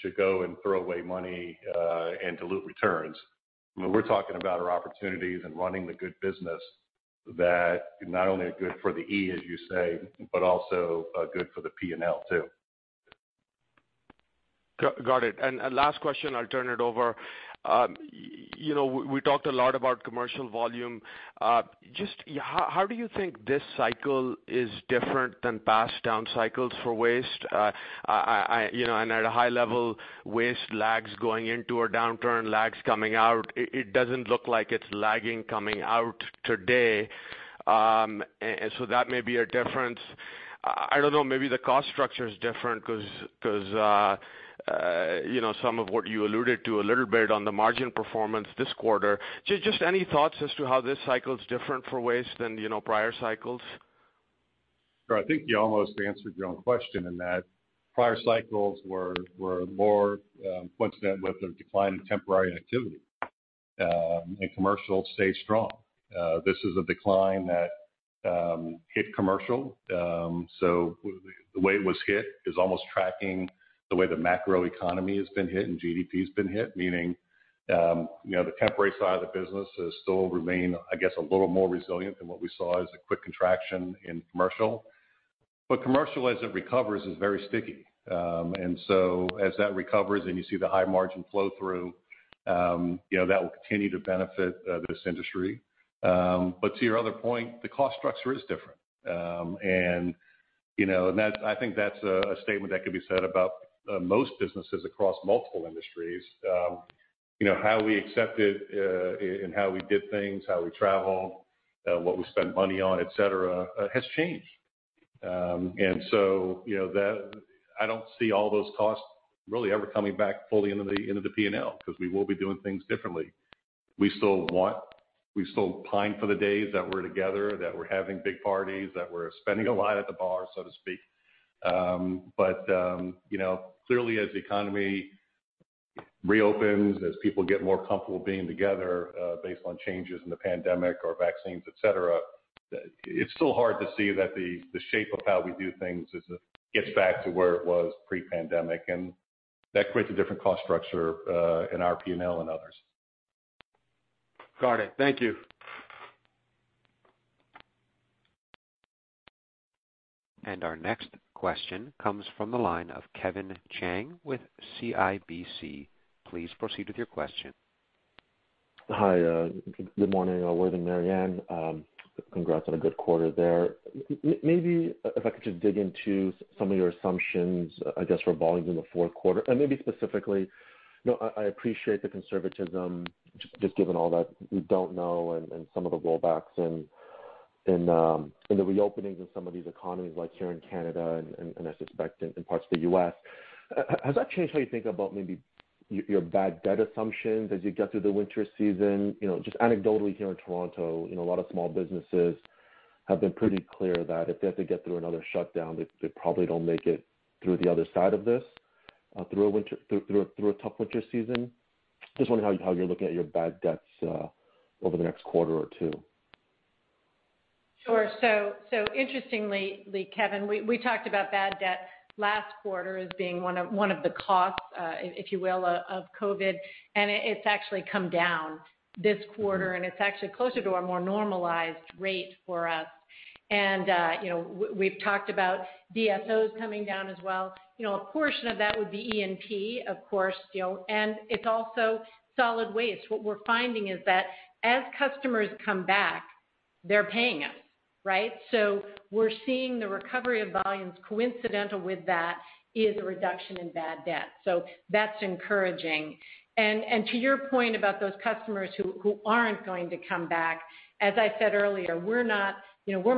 should go and throw away money and dilute returns. We're talking about our opportunities and running a good business that are not only good for the E, as you say, but also good for the P&L, too. Got it. Last question, I'll turn it over. We talked a lot about commercial volume. Just how do you think this cycle is different than past down cycles for Waste Connections? At a high level, Waste Connections lags going into a downturn, lags coming out. It doesn't look like it's lagging coming out today. That may be a difference. I don't know, maybe the cost structure is different because some of what you alluded to a little bit on the margin performance this quarter. Just any thoughts as to how this cycle is different for Waste Connections than prior cycles? Sure. I think you almost answered your own question in that prior cycles were more coincident with the decline in temporary activity, and commercial stayed strong. This is a decline that hit commercial, so the way it was hit is almost tracking the way the macroeconomy has been hit and GDP has been hit, meaning the temporary side of the business has still remained, I guess, a little more resilient than what we saw as a quick contraction in commercial. Commercial, as it recovers, is very sticky. As that recovers and you see the high margin flow through, that will continue to benefit this industry. To your other point, the cost structure is different. I think that's a statement that could be said about most businesses across multiple industries. How we accepted and how we did things, how we travel, what we spend money on, et cetera, has changed. I don't see all those costs really ever coming back fully into the P&L, because we will be doing things differently. We're still pining for the days that we're together, that we're having big parties, that we're spending a lot at the bar, so to speak. Clearly, as the economy reopens, as people get more comfortable being together based on changes in the pandemic or vaccines, et cetera, it's still hard to see that the shape of how we do things gets back to where it was pre-pandemic, and that creates a different cost structure in our P&L and others. Got it. Thank you. Our next question comes from the line of Kevin Chiang with CIBC. Please proceed with your question. Hi, good morning, Worthing Jackman and Mary Anne Whitney. Congrats on a good quarter there. Maybe if I could just dig into some of your assumptions, I guess, for volumes in the fourth quarter, and maybe specifically, I appreciate the conservatism, just given all that we don't know and some of the rollbacks and the reopenings in some of these economies like here in Canada and I suspect in parts of the U.S. Has that changed how you think about maybe your bad debt assumptions as you get through the winter season? Just anecdotally here in Toronto, a lot of small businesses have been pretty clear that if they have to get through another shutdown, they probably don't make it through the other side of this, through a tough winter season. Just wondering how you're looking at your bad debts over the next quarter or two. Sure. Interestingly, Kevin Chiang, we talked about bad debt last quarter as being one of the costs, if you will, of COVID-19, and it's actually come down this quarter, and it's actually closer to our more normalized rate for us. We've talked about DSOs coming down as well. A portion of that would be E&P, of course, and it's also solid waste. What we're finding is that as customers come back, they're paying us, right? Coincidental with that is a reduction in bad debt. That's encouraging. To your point about those customers who aren't going to come back, as I said earlier, we're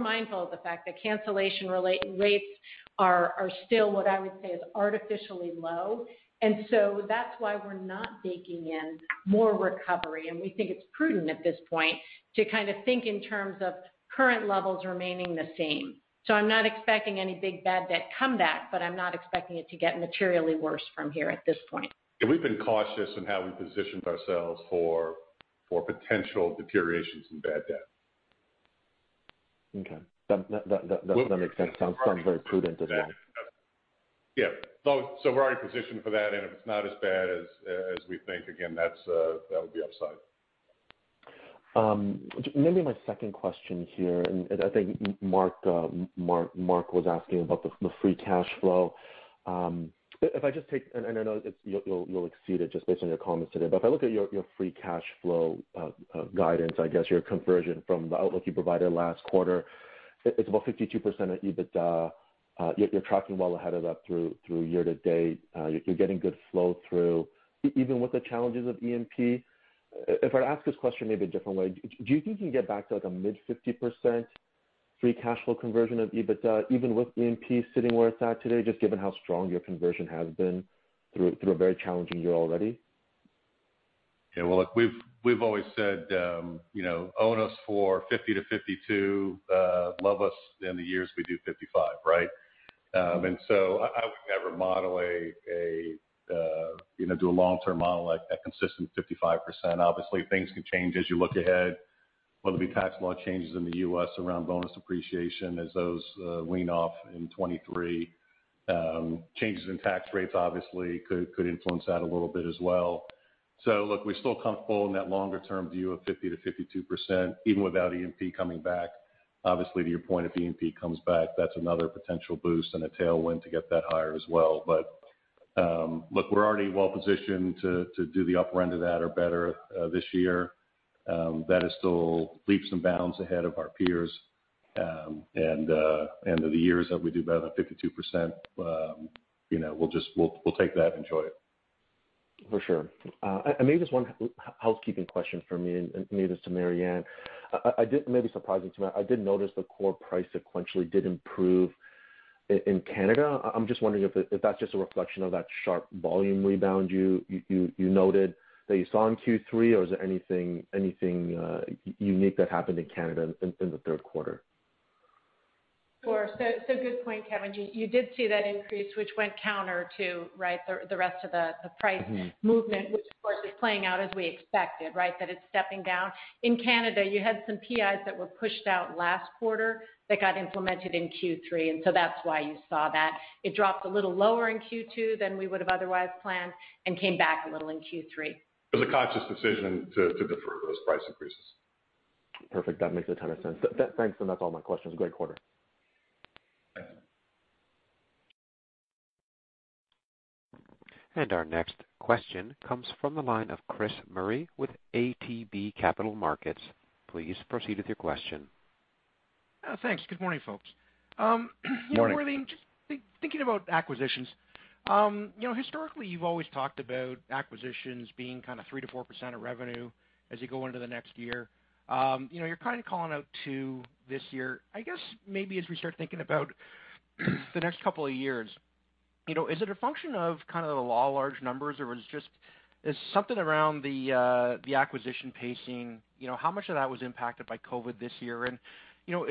mindful of the fact that cancellation rates are still, what I would say, is artificially low. That's why we're not baking in more recovery, and we think it's prudent at this point to kind of think in terms of current levels remaining the same. I'm not expecting any big bad debt comeback, but I'm not expecting it to get materially worse from here at this point. We've been cautious in how we positioned ourselves for potential deteriorations in bad debt. Okay. That makes sense. Sounds very prudent as well. Yeah. We're already positioned for that, and if it's not as bad as we think, again, that would be upside. Maybe my second question here, I think Mark Neville was asking about the free cash flow. I know you'll exceed it just based on your comments today, but if I look at your free cash flow guidance, I guess your conversion from the outlook you provided last quarter, it's about 52% of EBITDA. You're tracking well ahead of that through year to date. You're getting good flow through, even with the challenges of E&P. If I were to ask this question maybe a different way, do you think you can get back to like a mid 50% free cash flow conversion of EBITDA, even with E&P sitting where it's at today, just given how strong your conversion has been through a very challenging year already? Yeah. Well, look, we've always said, own us for 50%-52%, love us in the years we do 55%, right? I would never do a long-term model at a consistent 55%. Obviously, things can change as you look ahead, whether it be tax law changes in the U.S. around bonus depreciation as those wean off in 2023. Changes in tax rates obviously could influence that a little bit as well. Look, we're still comfortable in that longer-term view of 50%-52%, even without E&P coming back. Obviously, to your point, if E&P comes back, that's another potential boost and a tailwind to get that higher as well. Look, we're already well-positioned to do the upper end of that or better this year. That is still leaps and bounds ahead of our peers. The years that we do better than 52%, we'll take that and enjoy it. For sure. Maybe just one housekeeping question from me, and maybe this is to Mary Anne Whitney. It may be surprising to me, I did notice the core price sequentially did improve in Canada. I'm just wondering if that's just a reflection of that sharp volume rebound you noted that you saw in Q3, or is there anything unique that happened in Canada in the third quarter? Sure. Good point, Kevin Chiang. You did see that increase, which went counter to the rest of the price movement, which of course is playing out as we expected, that it's stepping down. In Canada, you had some PIs that were pushed out last quarter that got implemented in Q3, and so that's why you saw that. It dropped a little lower in Q2 than we would've otherwise planned and came back a little in Q3. It was a conscious decision to defer those price increases. Perfect. That makes a ton of sense. Thanks, and that's all my questions. Great quarter. Thanks. Our next question comes from the line of Chris Murray with ATB Capital Markets. Please proceed with your question. Thanks. Good morning, folks. Morning. Just thinking about acquisitions. Historically, you've always talked about acquisitions being kind of 3% to 4% of revenue as you go into the next year. You're kind of calling out to this year. I guess maybe as we start thinking about the next couple of years, is it a function of the law of large numbers, or is something around the acquisition pacing, how much of that was impacted by COVID this year? Is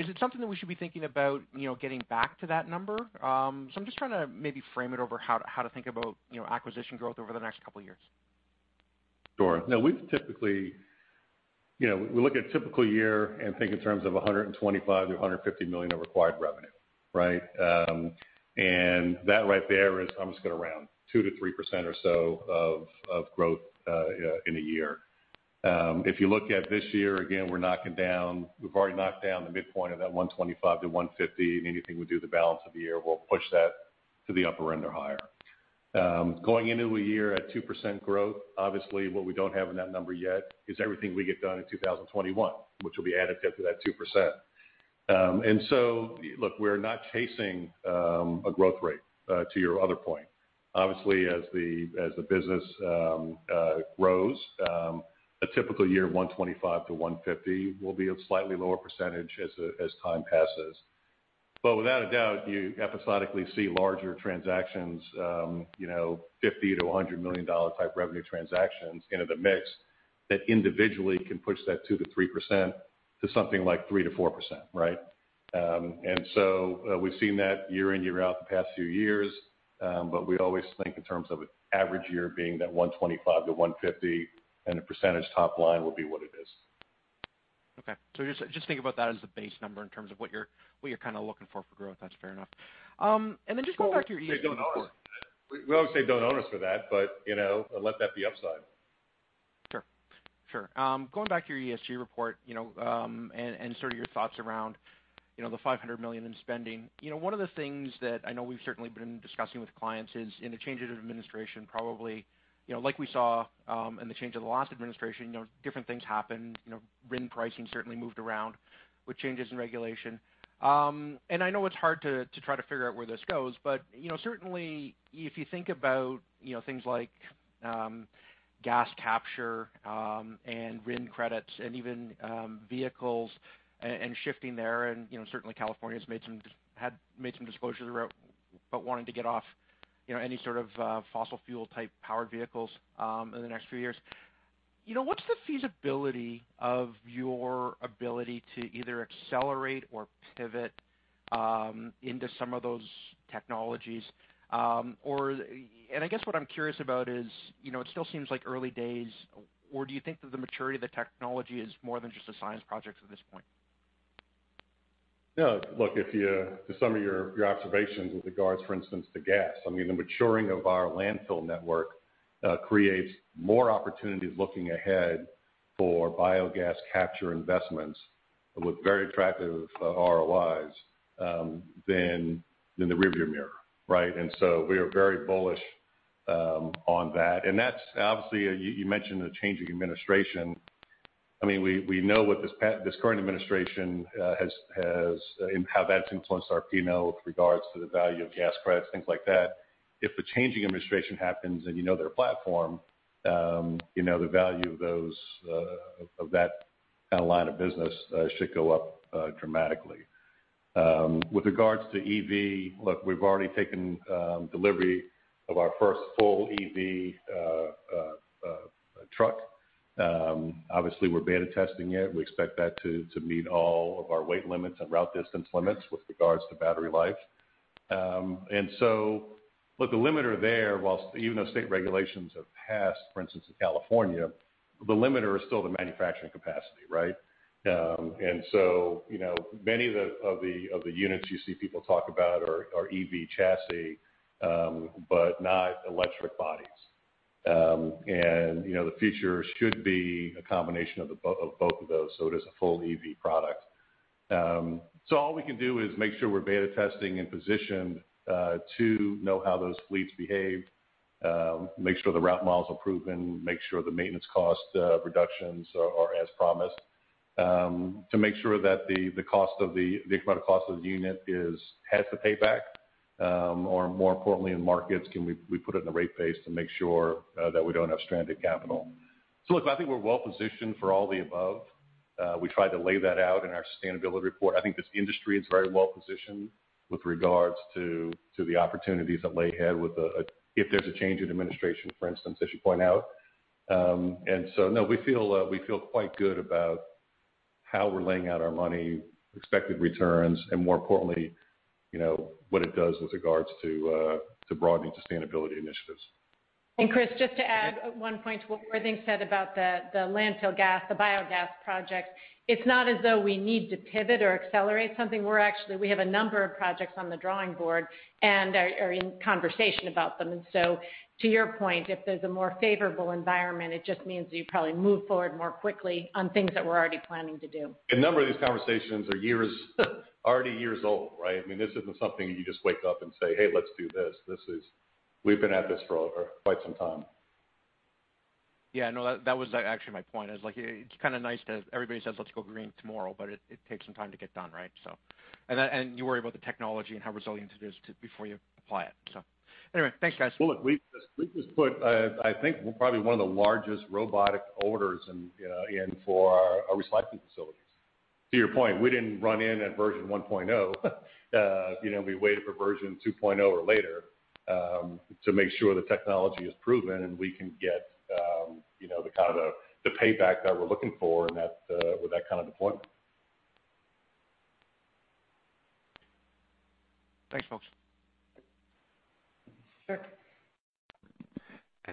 it something that we should be thinking about getting back to that number? I'm just trying to maybe frame it over how to think about acquisition growth over the next couple of years. Sure. We look at a typical year and think in terms of $125 million to $150 million of acquired revenue. That right there is, I'm just going to round, 2% to 3% or so of growth in a year. If you look at this year, again, we've already knocked down the midpoint of that $125 million to $150 million. Anything we do the balance of the year will push that to the upper end or higher. Going into a year at 2% growth, obviously what we don't have in that number yet is everything we get done in 2021, which will be additive to that 2%. Look, we're not chasing a growth rate, to your other point. Obviously, as the business grows, a typical year of $125 million to $150 million will be a slightly lower percentage as time passes. Without a doubt, you episodically see larger transactions, $50 million-$100 million type revenue transactions into the mix that individually can push that 2%-3% to something like 3%-4%. We've seen that year in, year out the past few years. We always think in terms of an average year being that $125 million-$150 million, and the percentage top line will be what it is. Okay. Just think about that as the base number in terms of what you're kind of looking for growth. That's fair enough. Then just going back to your ESG report. We obviously don't own us for that, but let that be upside. Sure. Going back to your ESG report, and sort of your thoughts around the $500 million in spending. One of the things that I know we've certainly been discussing with clients is in the change of administration, probably like we saw in the change of the last administration, different things happened. RIN pricing certainly moved around with changes in regulation. I know it's hard to try to figure out where this goes, but certainly if you think about things like gas capture and RIN credits and even vehicles and shifting there, and certainly California had made some disclosures about wanting to get off any sort of fossil fuel type powered vehicles in the next few years. What's the feasibility of your ability to either accelerate or pivot into some of those technologies? I guess what I'm curious about is it still seems like early days, or do you think that the maturity of the technology is more than just a science project at this point? Look, to some of your observations with regards, for instance, to gas. I mean, the maturing of our landfill network creates more opportunities looking ahead for biogas capture investments that look very attractive ROIs than the rearview mirror. We are very bullish on that. That's obviously, you mentioned the changing administration. We know what this current administration has, and how that's influenced our P&L with regards to the value of gas credits, things like that. If the changing administration happens and you know their platform, the value of that line of business should go up dramatically. With regards to EV, look, we've already taken delivery of our first full EV truck. Obviously, we're beta testing it. We expect that to meet all of our weight limits and route distance limits with regards to battery life. Look, the limiter there, even though state regulations have passed, for instance, in California, the limiter is still the manufacturing capacity. Many of the units you see people talk about are EV chassis, but not electric bodies. The future should be a combination of both of those, so it is a full EV product. All we can do is make sure we're beta testing and positioned to know how those fleets behave, make sure the route miles are proven, make sure the maintenance cost reductions are as promised. To make sure that the incremental cost of the unit has the payback or more importantly, in markets, can we put it in the rate base to make sure that we don't have stranded capital? Look, I think we're well-positioned for all the above. We try to lay that out in our sustainability report. I think this industry is very well-positioned with regards to the opportunities that lie ahead if there's a change in administration, for instance, as you point out. No, we feel quite good about how we're laying out our money, expected returns, and more importantly, what it does with regards to broadening sustainability initiatives. Chris, just to add one point to what Worthing Jackman said about the landfill gas, the biogas project. It's not as though we need to pivot or accelerate something. We have a number of projects on the drawing board and are in conversation about them. To your point, if there's a more favorable environment, it just means that you probably move forward more quickly on things that we're already planning to do. A number of these conversations are already years old, right? This isn't something you just wake up and say, "Hey, let's do this." We've been at this for quite some time. Yeah, no, that was actually my point, is it's kind of nice that everybody says, "Let's go green tomorrow," but it takes some time to get done, right? You worry about the technology and how resilient it is before you apply it. Anyway, thanks, guys. Well, look, we just put, I think probably one of the largest robotic orders in for our recycling facilities. To your point, we didn't run in at version 1.0. We waited for version 2.0 or later, to make sure the technology is proven, and we can get the kind of the payback that we're looking for and with that kind of deployment. Thanks, folks. Sure.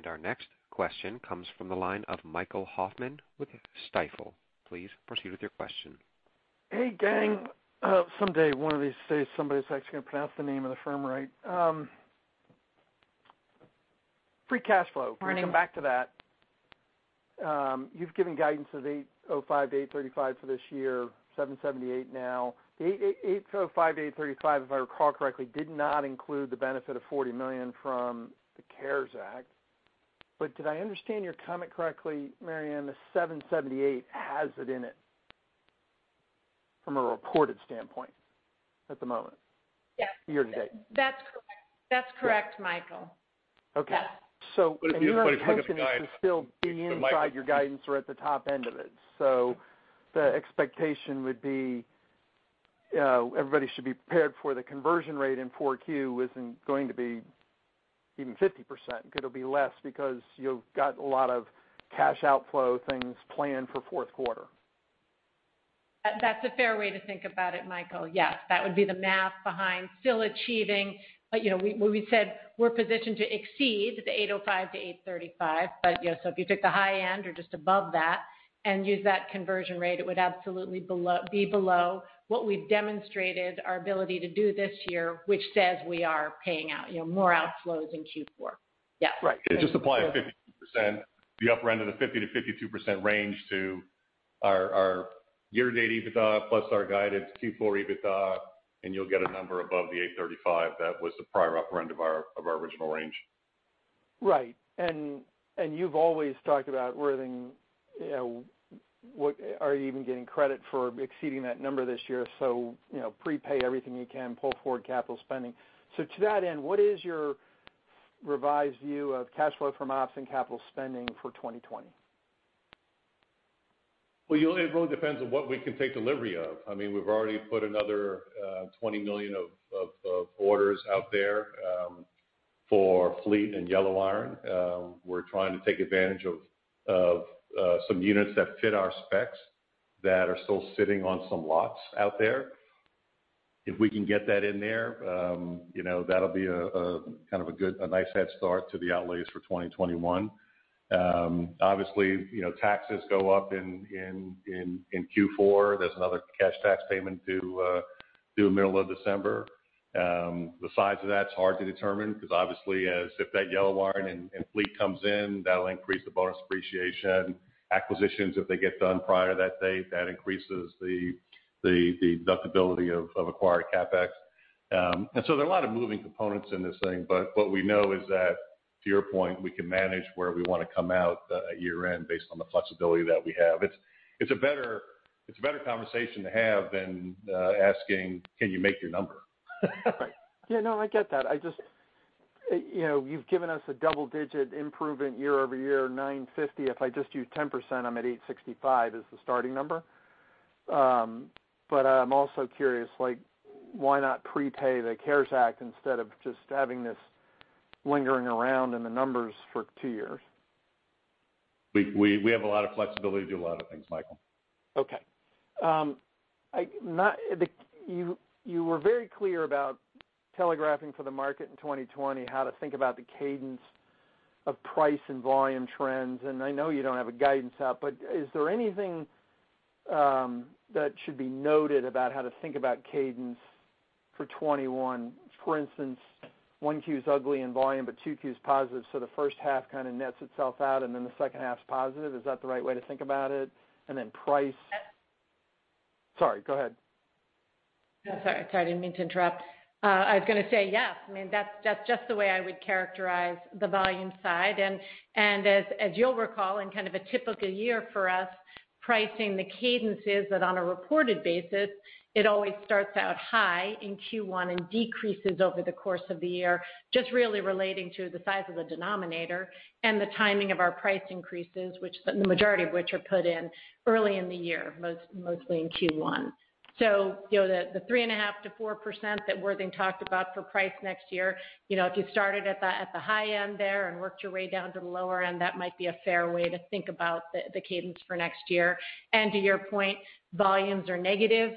Our next question comes from the line of Michael Hoffman with Stifel. Please proceed with your question. Hey, gang. Someday, one of these days, somebody's actually going to pronounce the name of the firm right. Morning we're going to come back to that. You've given guidance of $805 million to $835 million for this year, $778 million now. $805 million to $835 million, if I recall correctly, did not include the benefit of $40 million from the CARES Act. Did I understand your comment correctly, Mary Anne, the $778 million has it in it from a reported standpoint at the moment? Yes. Year to date. That's correct, Michael. Okay. Yes. If you put it up as guidance. Your expectation is to still be inside your guidance or at the top end of it. The expectation would be everybody should be prepared for the conversion rate in Q4 isn't going to be even 50%, because it'll be less, because you've got a lot of cash outflow things planned for fourth quarter. That's a fair way to think about it, Michael. Yes. That would be the math behind. We said we're positioned to exceed the $805 million-$835 million. If you took the high end or just above that and used that conversion rate, it would absolutely be below what we've demonstrated our ability to do this year, which says we are paying out more outflows in Q4. Yes. Right. Just apply a 50%, the upper end of the 50%-52% range to our year-to-date EBITDA plus our guided Q4 EBITDA. You'll get a number above the $835 million that was the prior upper end of our original range. Right. You've always talked about Worthing Jackman, are you even getting credit for exceeding that number this year? Prepay everything you can, pull forward capital spending. To that end, what is your revised view of cash flow from ops and capital spending for 2020? Well, it really depends on what we can take delivery of. We've already put another $20 million of orders out there for fleet and yellow iron. We're trying to take advantage of some units that fit our specs that are still sitting on some lots out there. If we can get that in there, that'll be a nice head start to the outlays for 2021. Obviously, taxes go up in Q4. There's another cash tax payment due middle of December. The size of that's hard to determine because obviously, if that yellow iron and fleet comes in, that'll increase the bonus depreciation. Acquisitions, if they get done prior to that date, that increases the deductibility of acquired CapEx. There are a lot of moving components in this thing, but what we know is that to your point, we can manage where we want to come out at year-end based on the flexibility that we have. It's a better conversation to have than asking, "Can you make your number? Right. Yeah, no, I get that. You've given us a double-digit improvement year-over-year, $950 million. If I just use 10%, I'm at $865 million is the starting number. I'm also curious, why not prepay the CARES Act instead of just having this lingering around in the numbers for two years? We have a lot of flexibility to do a lot of things, Michael Hoffman. Okay. You were very clear about telegraphing for the market in 2020 how to think about the cadence of price and volume trends. I know you don't have a guidance out, is there anything that should be noted about how to think about cadence for 2021? For instance, Q1 is ugly in volume, Q2 is positive, the first half kind of nets itself out, the second half's positive. Is that the right way to think about it? Sorry, go ahead. Sorry, I didn't mean to interrupt. I was going to say yes. That's just the way I would characterize the volume side. As you'll recall, in kind of a typical year for us, pricing, the cadence is that on a reported basis, it always starts out high in Q1 and decreases over the course of the year, just really relating to the size of the denominator and the timing of our price increases, the majority of which are put in early in the year, mostly in Q1. The 3.5% to 4% that Worthing Jackman talked about for price next year, if you started at the high end there and worked your way down to the lower end, that might be a fair way to think about the cadence for next year. To your point, volumes are negative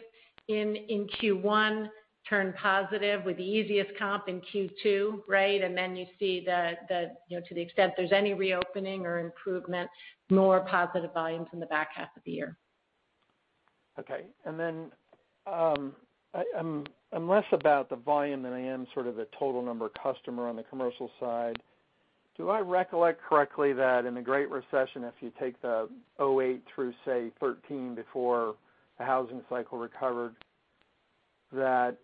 in Q1, turn positive with the easiest comp in Q2, right? You see that to the extent there's any reopening or improvement, more positive volumes in the back half of the year. Okay. I'm less about the volume than I am sort of the total number of customer on the commercial side. Do I recollect correctly that in the Great Recession, if you take the 2008 through, say, 2013 before the housing cycle recovered, that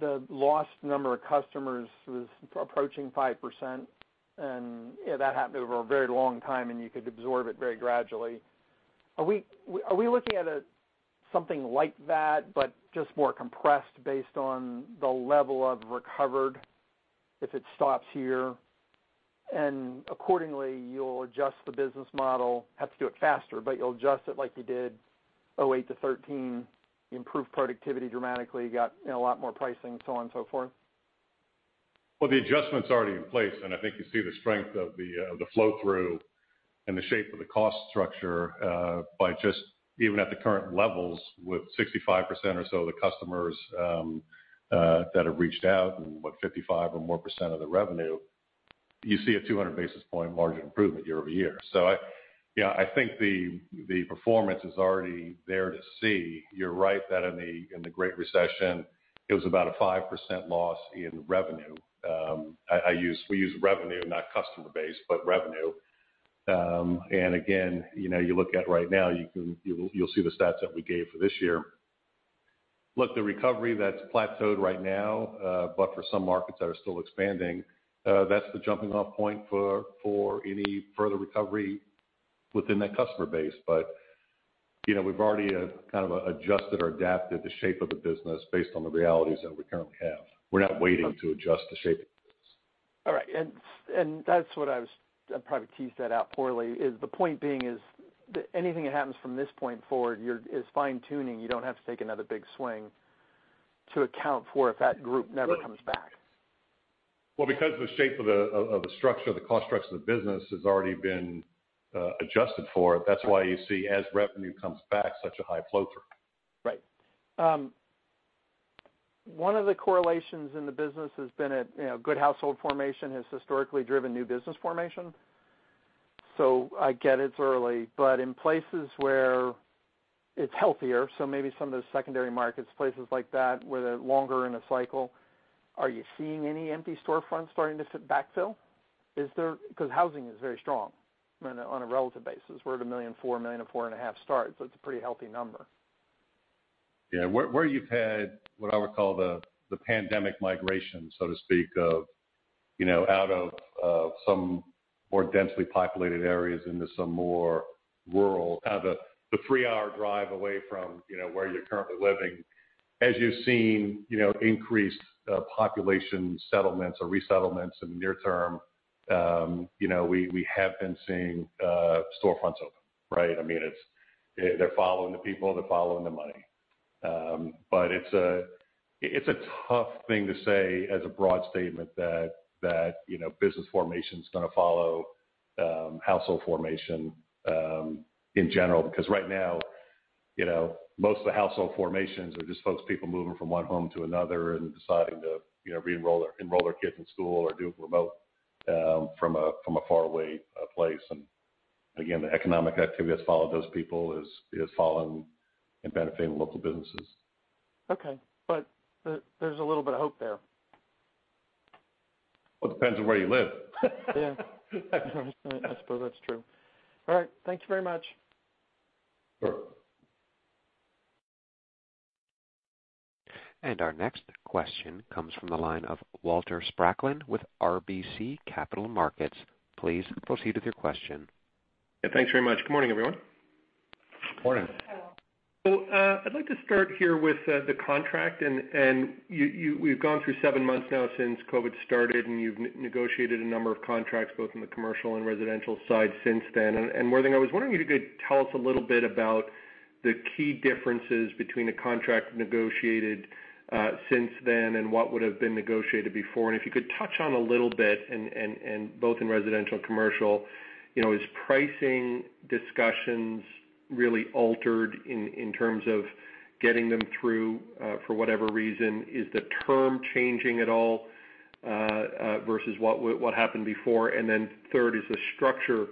the lost number of customers was approaching 5%? That happened over a very long time, and you could absorb it very gradually. Are we looking at something like that, but just more compressed based on the level of recovered if it stops here? Accordingly you'll adjust the business model, have to do it faster, but you'll adjust it like you did 2008 to 2013, improve productivity dramatically, got a lot more pricing, so on and so forth. Well, the adjustment's already in place, and I think you see the strength of the flow-through and the shape of the cost structure by just even at the current levels with 65% or so of the customers that have reached out and, what, 55% or more of the revenue, you see a 200 basis point margin improvement year-over-year. I think the performance is already there to see. You're right that in the Great Recession, it was about a 5% loss in revenue. We use revenue, not customer base, but revenue. Again, you look at right now, you'll see the stats that we gave for this year. Look, the recovery that's plateaued right now, but for some markets that are still expanding, that's the jumping-off point for any further recovery within that customer base. We've already kind of adjusted or adapted the shape of the business based on the realities that we currently have. We're not waiting to adjust the shape of the business. All right. I probably teased that out poorly, is the point being is that anything that happens from this point forward is fine-tuning. You don't have to take another big swing to account for if that group never comes back. Well, because of the shape of the structure, the cost structure of the business has already been adjusted for, that's why you see, as revenue comes back, such a high flow-through. Right. One of the correlations in the business has been a good household formation has historically driven new business formation. I get it's early, but in places where it's healthier, maybe some of the secondary markets, places like that, where they're longer in a cycle, are you seeing any empty storefronts starting to backfill? Because housing is very strong on a relative basis. We're at one million, 4 million-4.5 million starts, it's a pretty healthy number. Yeah. Where you've had what I would call the pandemic migration, so to speak, of out of some more densely populated areas into some more rural, the three-hour drive away from where you're currently living. As you've seen increased population settlements or resettlements in the near term, we have been seeing storefronts open, right? They're following the people, they're following the money. It's a tough thing to say as a broad statement that business formation is going to follow household formation in general, because right now, most of the household formations are just folks, people moving from one home to another and deciding to re-enroll their kids in school or do remote from a faraway place. Again, the economic activity that's followed those people is fallen and benefiting local businesses. Okay. There's a little bit of hope there. It depends on where you live. Yeah. I suppose that's true. All right. Thank you very much. Sure. Our next question comes from the line of Walter Spracklin with RBC Capital Markets. Please proceed with your question. Thanks very much. Good morning, everyone. Good morning. Hello. I'd like to start here with the contract, and we've gone through seven months now since COVID-19 started, and you've negotiated a number of contracts both in the commercial and residential side since then. Worthing Jackman, I was wondering if you could tell us a little bit about the key differences between a contract negotiated since then and what would have been negotiated before. If you could touch on a little bit, and both in residential and commercial, is pricing discussions really altered in terms of getting them through for whatever reason? Is the term changing at all versus what happened before? Third, is the structure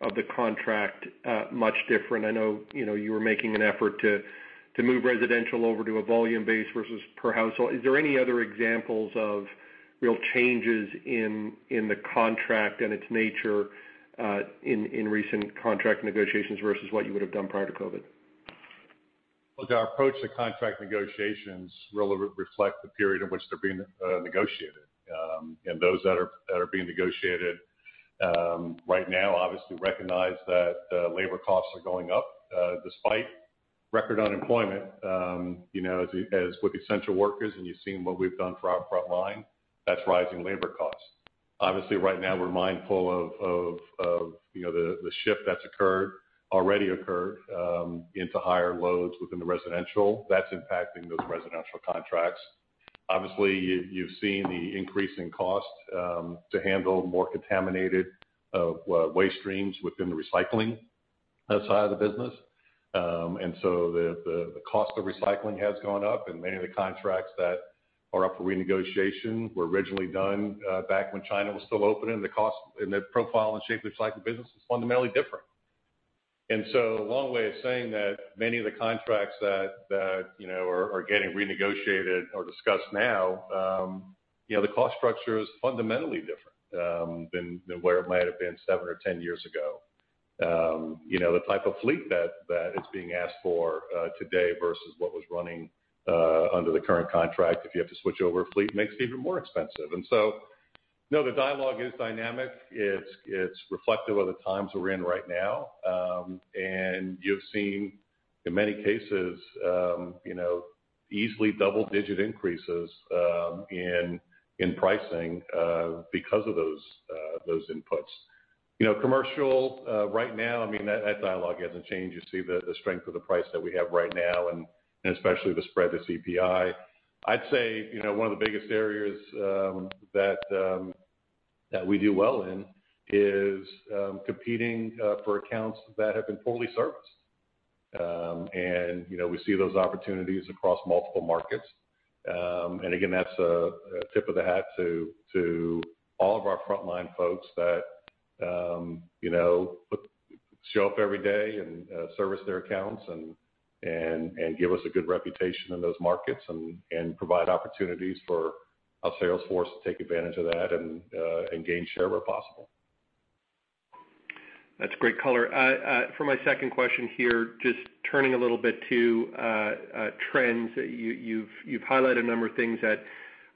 of the contract much different? I know you were making an effort to move residential over to a volume base versus per household. Is there any other examples of real changes in the contract and its nature in recent contract negotiations versus what you would have done prior to COVID-19? Look, our approach to contract negotiations really reflect the period in which they're being negotiated. Those that are being negotiated right now obviously recognize that labor costs are going up despite record unemployment, as with essential workers, and you've seen what we've done for our frontline, that's rising labor costs. Obviously right now, we're mindful of the shift that's already occurred into higher loads within the residential. That's impacting those residential contracts. Obviously, you've seen the increase in cost to handle more contaminated waste streams within the recycling side of the business. The cost of recycling has gone up, and many of the contracts that are up for renegotiation were originally done back when China was still open, and the cost and the profile and shape of the recycling business is fundamentally different. A long way of saying that many of the contracts that are getting renegotiated or discussed now, the cost structure is fundamentally different than where it might have been seven or 10 years ago. The type of fleet that is being asked for today versus what was running under the current contract, if you have to switch over a fleet, makes it even more expensive. No, the dialogue is dynamic. It's reflective of the times we're in right now. You've seen, in many cases, easily double-digit increases in pricing because of those inputs. Commercial right now, that dialogue hasn't changed. You see the strength of the price that we have right now and especially the spread to CPI. I'd say one of the biggest areas that we do well in is competing for accounts that have been fully serviced. We see those opportunities across multiple markets. Again, that's a tip of the hat to all of our frontline folks that show up every day and service their accounts and give us a good reputation in those markets and provide opportunities for our sales force to take advantage of that and gain share where possible. That's great color. For my second question here, just turning a little bit to trends. You've highlighted a number of things that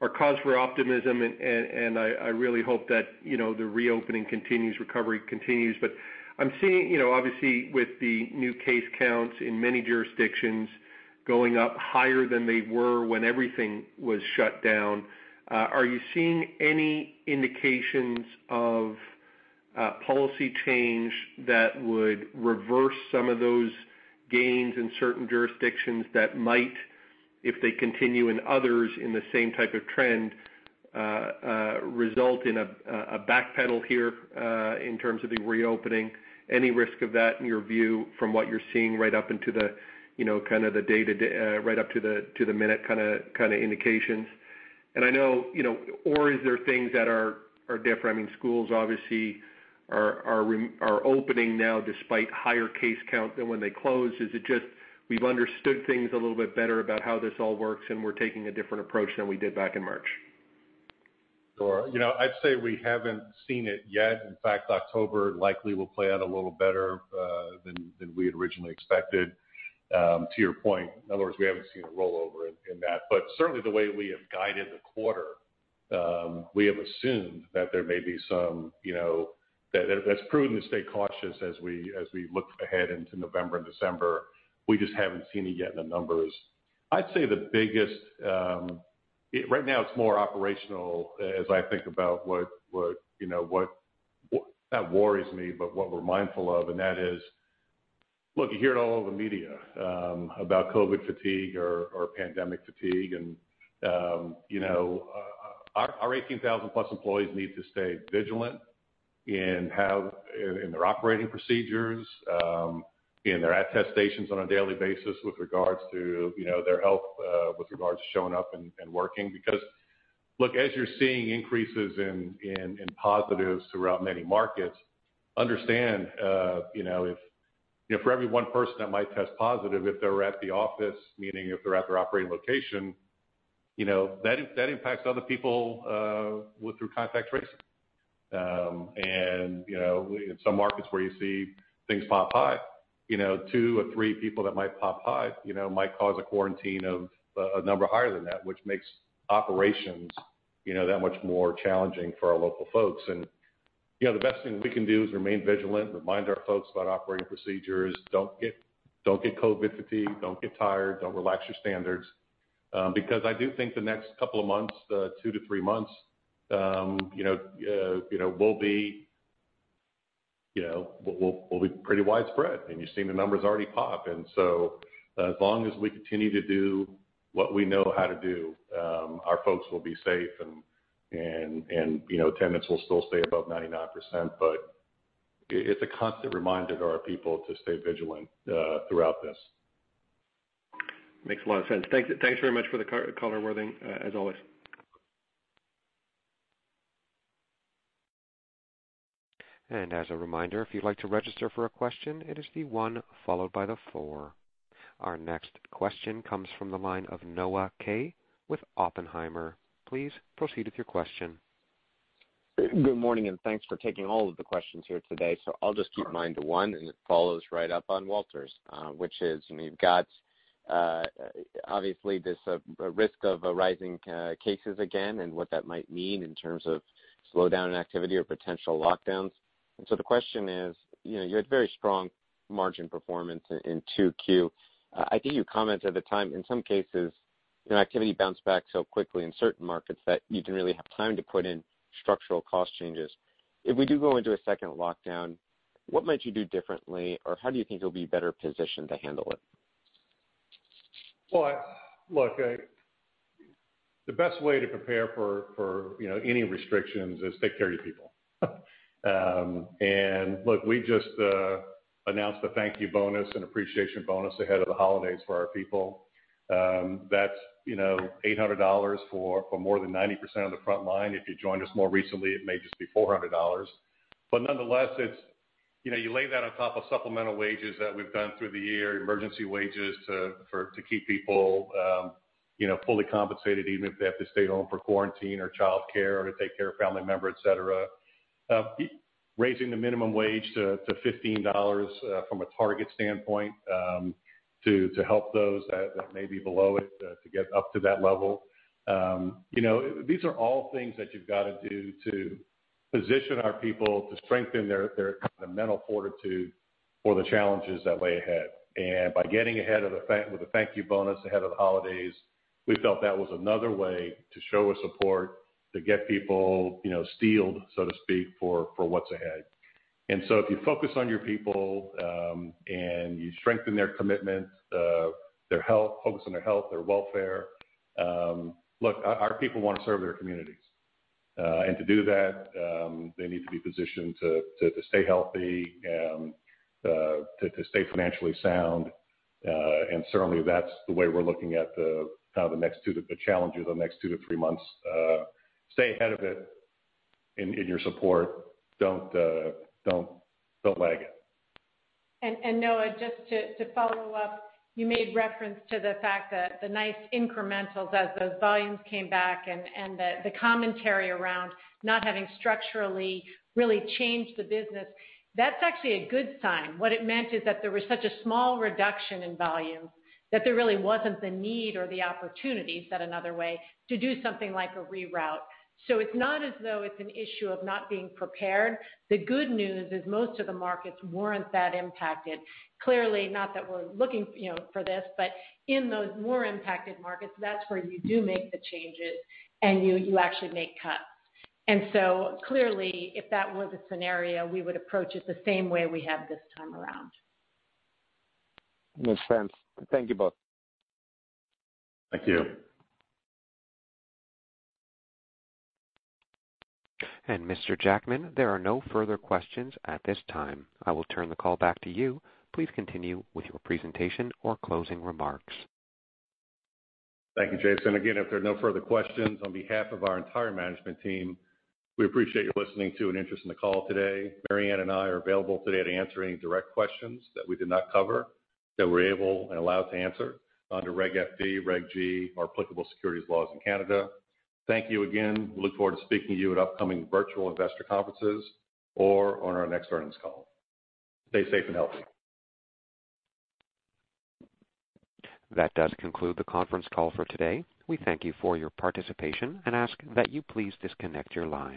are cause for optimism, I really hope that the reopening continues, recovery continues. I'm seeing, obviously, with the new case counts in many jurisdictions going up higher than they were when everything was shut down. Are you seeing any indications of policy change that would reverse some of those gains in certain jurisdictions that might, if they continue in others in the same type of trend, result in a backpedal here in terms of the reopening? Any risk of that in your view, from what you're seeing right up into the minute kind of indications? Is there things that are different? I mean, schools obviously are opening now despite higher case count than when they closed. Is it just we've understood things a little bit better about how this all works, and we're taking a different approach than we did back in March? Sure. I'd say we haven't seen it yet. October likely will play out a little better than we had originally expected. To your point, in other words, we haven't seen a rollover in that. Certainly, the way we have guided the quarter, we have assumed that there may be some that's prudent to stay cautious as we look ahead into November and December. We just haven't seen it yet in the numbers. I'd say the biggest, right now it's more operational as I think about what, not worries me, but what we're mindful of, and that is, look, you hear it all over the media about COVID-19 fatigue or pandemic fatigue. Our 18,000+ employees need to stay vigilant in their operating procedures, in their attestations on a daily basis with regards to their health, with regards to showing up and working. Look, as you're seeing increases in positives throughout many markets, understand, for every one person that might test positive, if they're at the office, meaning if they're at their operating location, that impacts other people through contact tracing. In some markets where you see things pop high, two or three people that might pop high might cause a quarantine of a number higher than that, which makes operations that much more challenging for our local folks. The best thing that we can do is remain vigilant and remind our folks about operating procedures. Don't get COVID-19 fatigue. Don't get tired. Don't relax your standards. I do think the next couple of months, two to three months, will be pretty widespread, and you've seen the numbers already pop. As long as we continue to do what we know how to do, our folks will be safe and tenants will still stay above 99%. It's a constant reminder to our people to stay vigilant throughout this. Makes a lot of sense. Thanks very much for the color, Worthing Jackman, as always. As a reminder, if you'd like to register for a question press one followed by the four. Our next question comes from the line of Noah Kaye with Oppenheimer. Please proceed with your question. Good morning, thanks for taking all of the questions here today. I'll just keep mine to one, and it follows right up on Walter's. Which is, you've got obviously this risk of rising cases again, and what that might mean in terms of slowdown in activity or potential lockdowns. The question is, you had very strong margin performance in Q2. I think you commented at the time, in some cases, activity bounced back so quickly in certain markets that you didn't really have time to put in structural cost changes. If we do go into a second lockdown, what might you do differently, or how do you think you'll be better positioned to handle it? Look, the best way to prepare for any restrictions is take care of your people. Look, we just announced a thank you bonus, an appreciation bonus ahead of the holidays for our people. That's $800 for more than 90% of the front line. If you joined us more recently, it may just be $400. Nonetheless, you lay that on top of supplemental wages that we've done through the year, emergency wages to keep people fully compensated, even if they have to stay home for quarantine or childcare or to take care of family member, et cetera. Raising the minimum wage to $15 from a target standpoint to help those that may be below it to get up to that level. These are all things that you've got to do to position our people to strengthen their mental fortitude for the challenges that lay ahead. By getting ahead with a thank you bonus ahead of the holidays, we felt that was another way to show our support, to get people steeled, so to speak, for what's ahead. If you focus on your people and you strengthen their commitment, their health, focus on their health, their welfare. Look, our people want to serve their communities. To do that they need to be positioned to stay healthy, to stay financially sound. Certainly, that's the way we're looking at the challenges the next two to three months. Stay ahead of it in your support. Don't lag it. Noah, just to follow up, you made reference to the fact that the nice incrementals as those volumes came back and that the commentary around not having structurally really changed the business. That's actually a good sign. What it meant is that there was such a small reduction in volume that there really wasn't the need or the opportunity, said another way, to do something like a reroute. It's not as though it's an issue of not being prepared. The good news is most of the markets weren't that impacted. Clearly, not that we're looking for this, but in those more impacted markets, that's where you do make the changes and you actually make cuts. Clearly, if that was a scenario, we would approach it the same way we have this time around. Makes sense. Thank you both. Thank you. Mr. Jackman, there are no further questions at this time. I will turn the call back to you. Please continue with your presentation or closing remarks. Thank you, Jason. Again, if there are no further questions, on behalf of our entire management team, we appreciate you listening to and interest in the call today. Mary Anne Whitney and I are available today to answer any direct questions that we did not cover that we're able and allowed to answer under Reg FD, Reg G, our applicable securities laws in Canada. Thank you again. We look forward to speaking to you at upcoming virtual investor conferences or on our next earnings call. Stay safe and healthy. That does conclude the conference call for today. We thank you for your participation and ask that you please disconnect your line.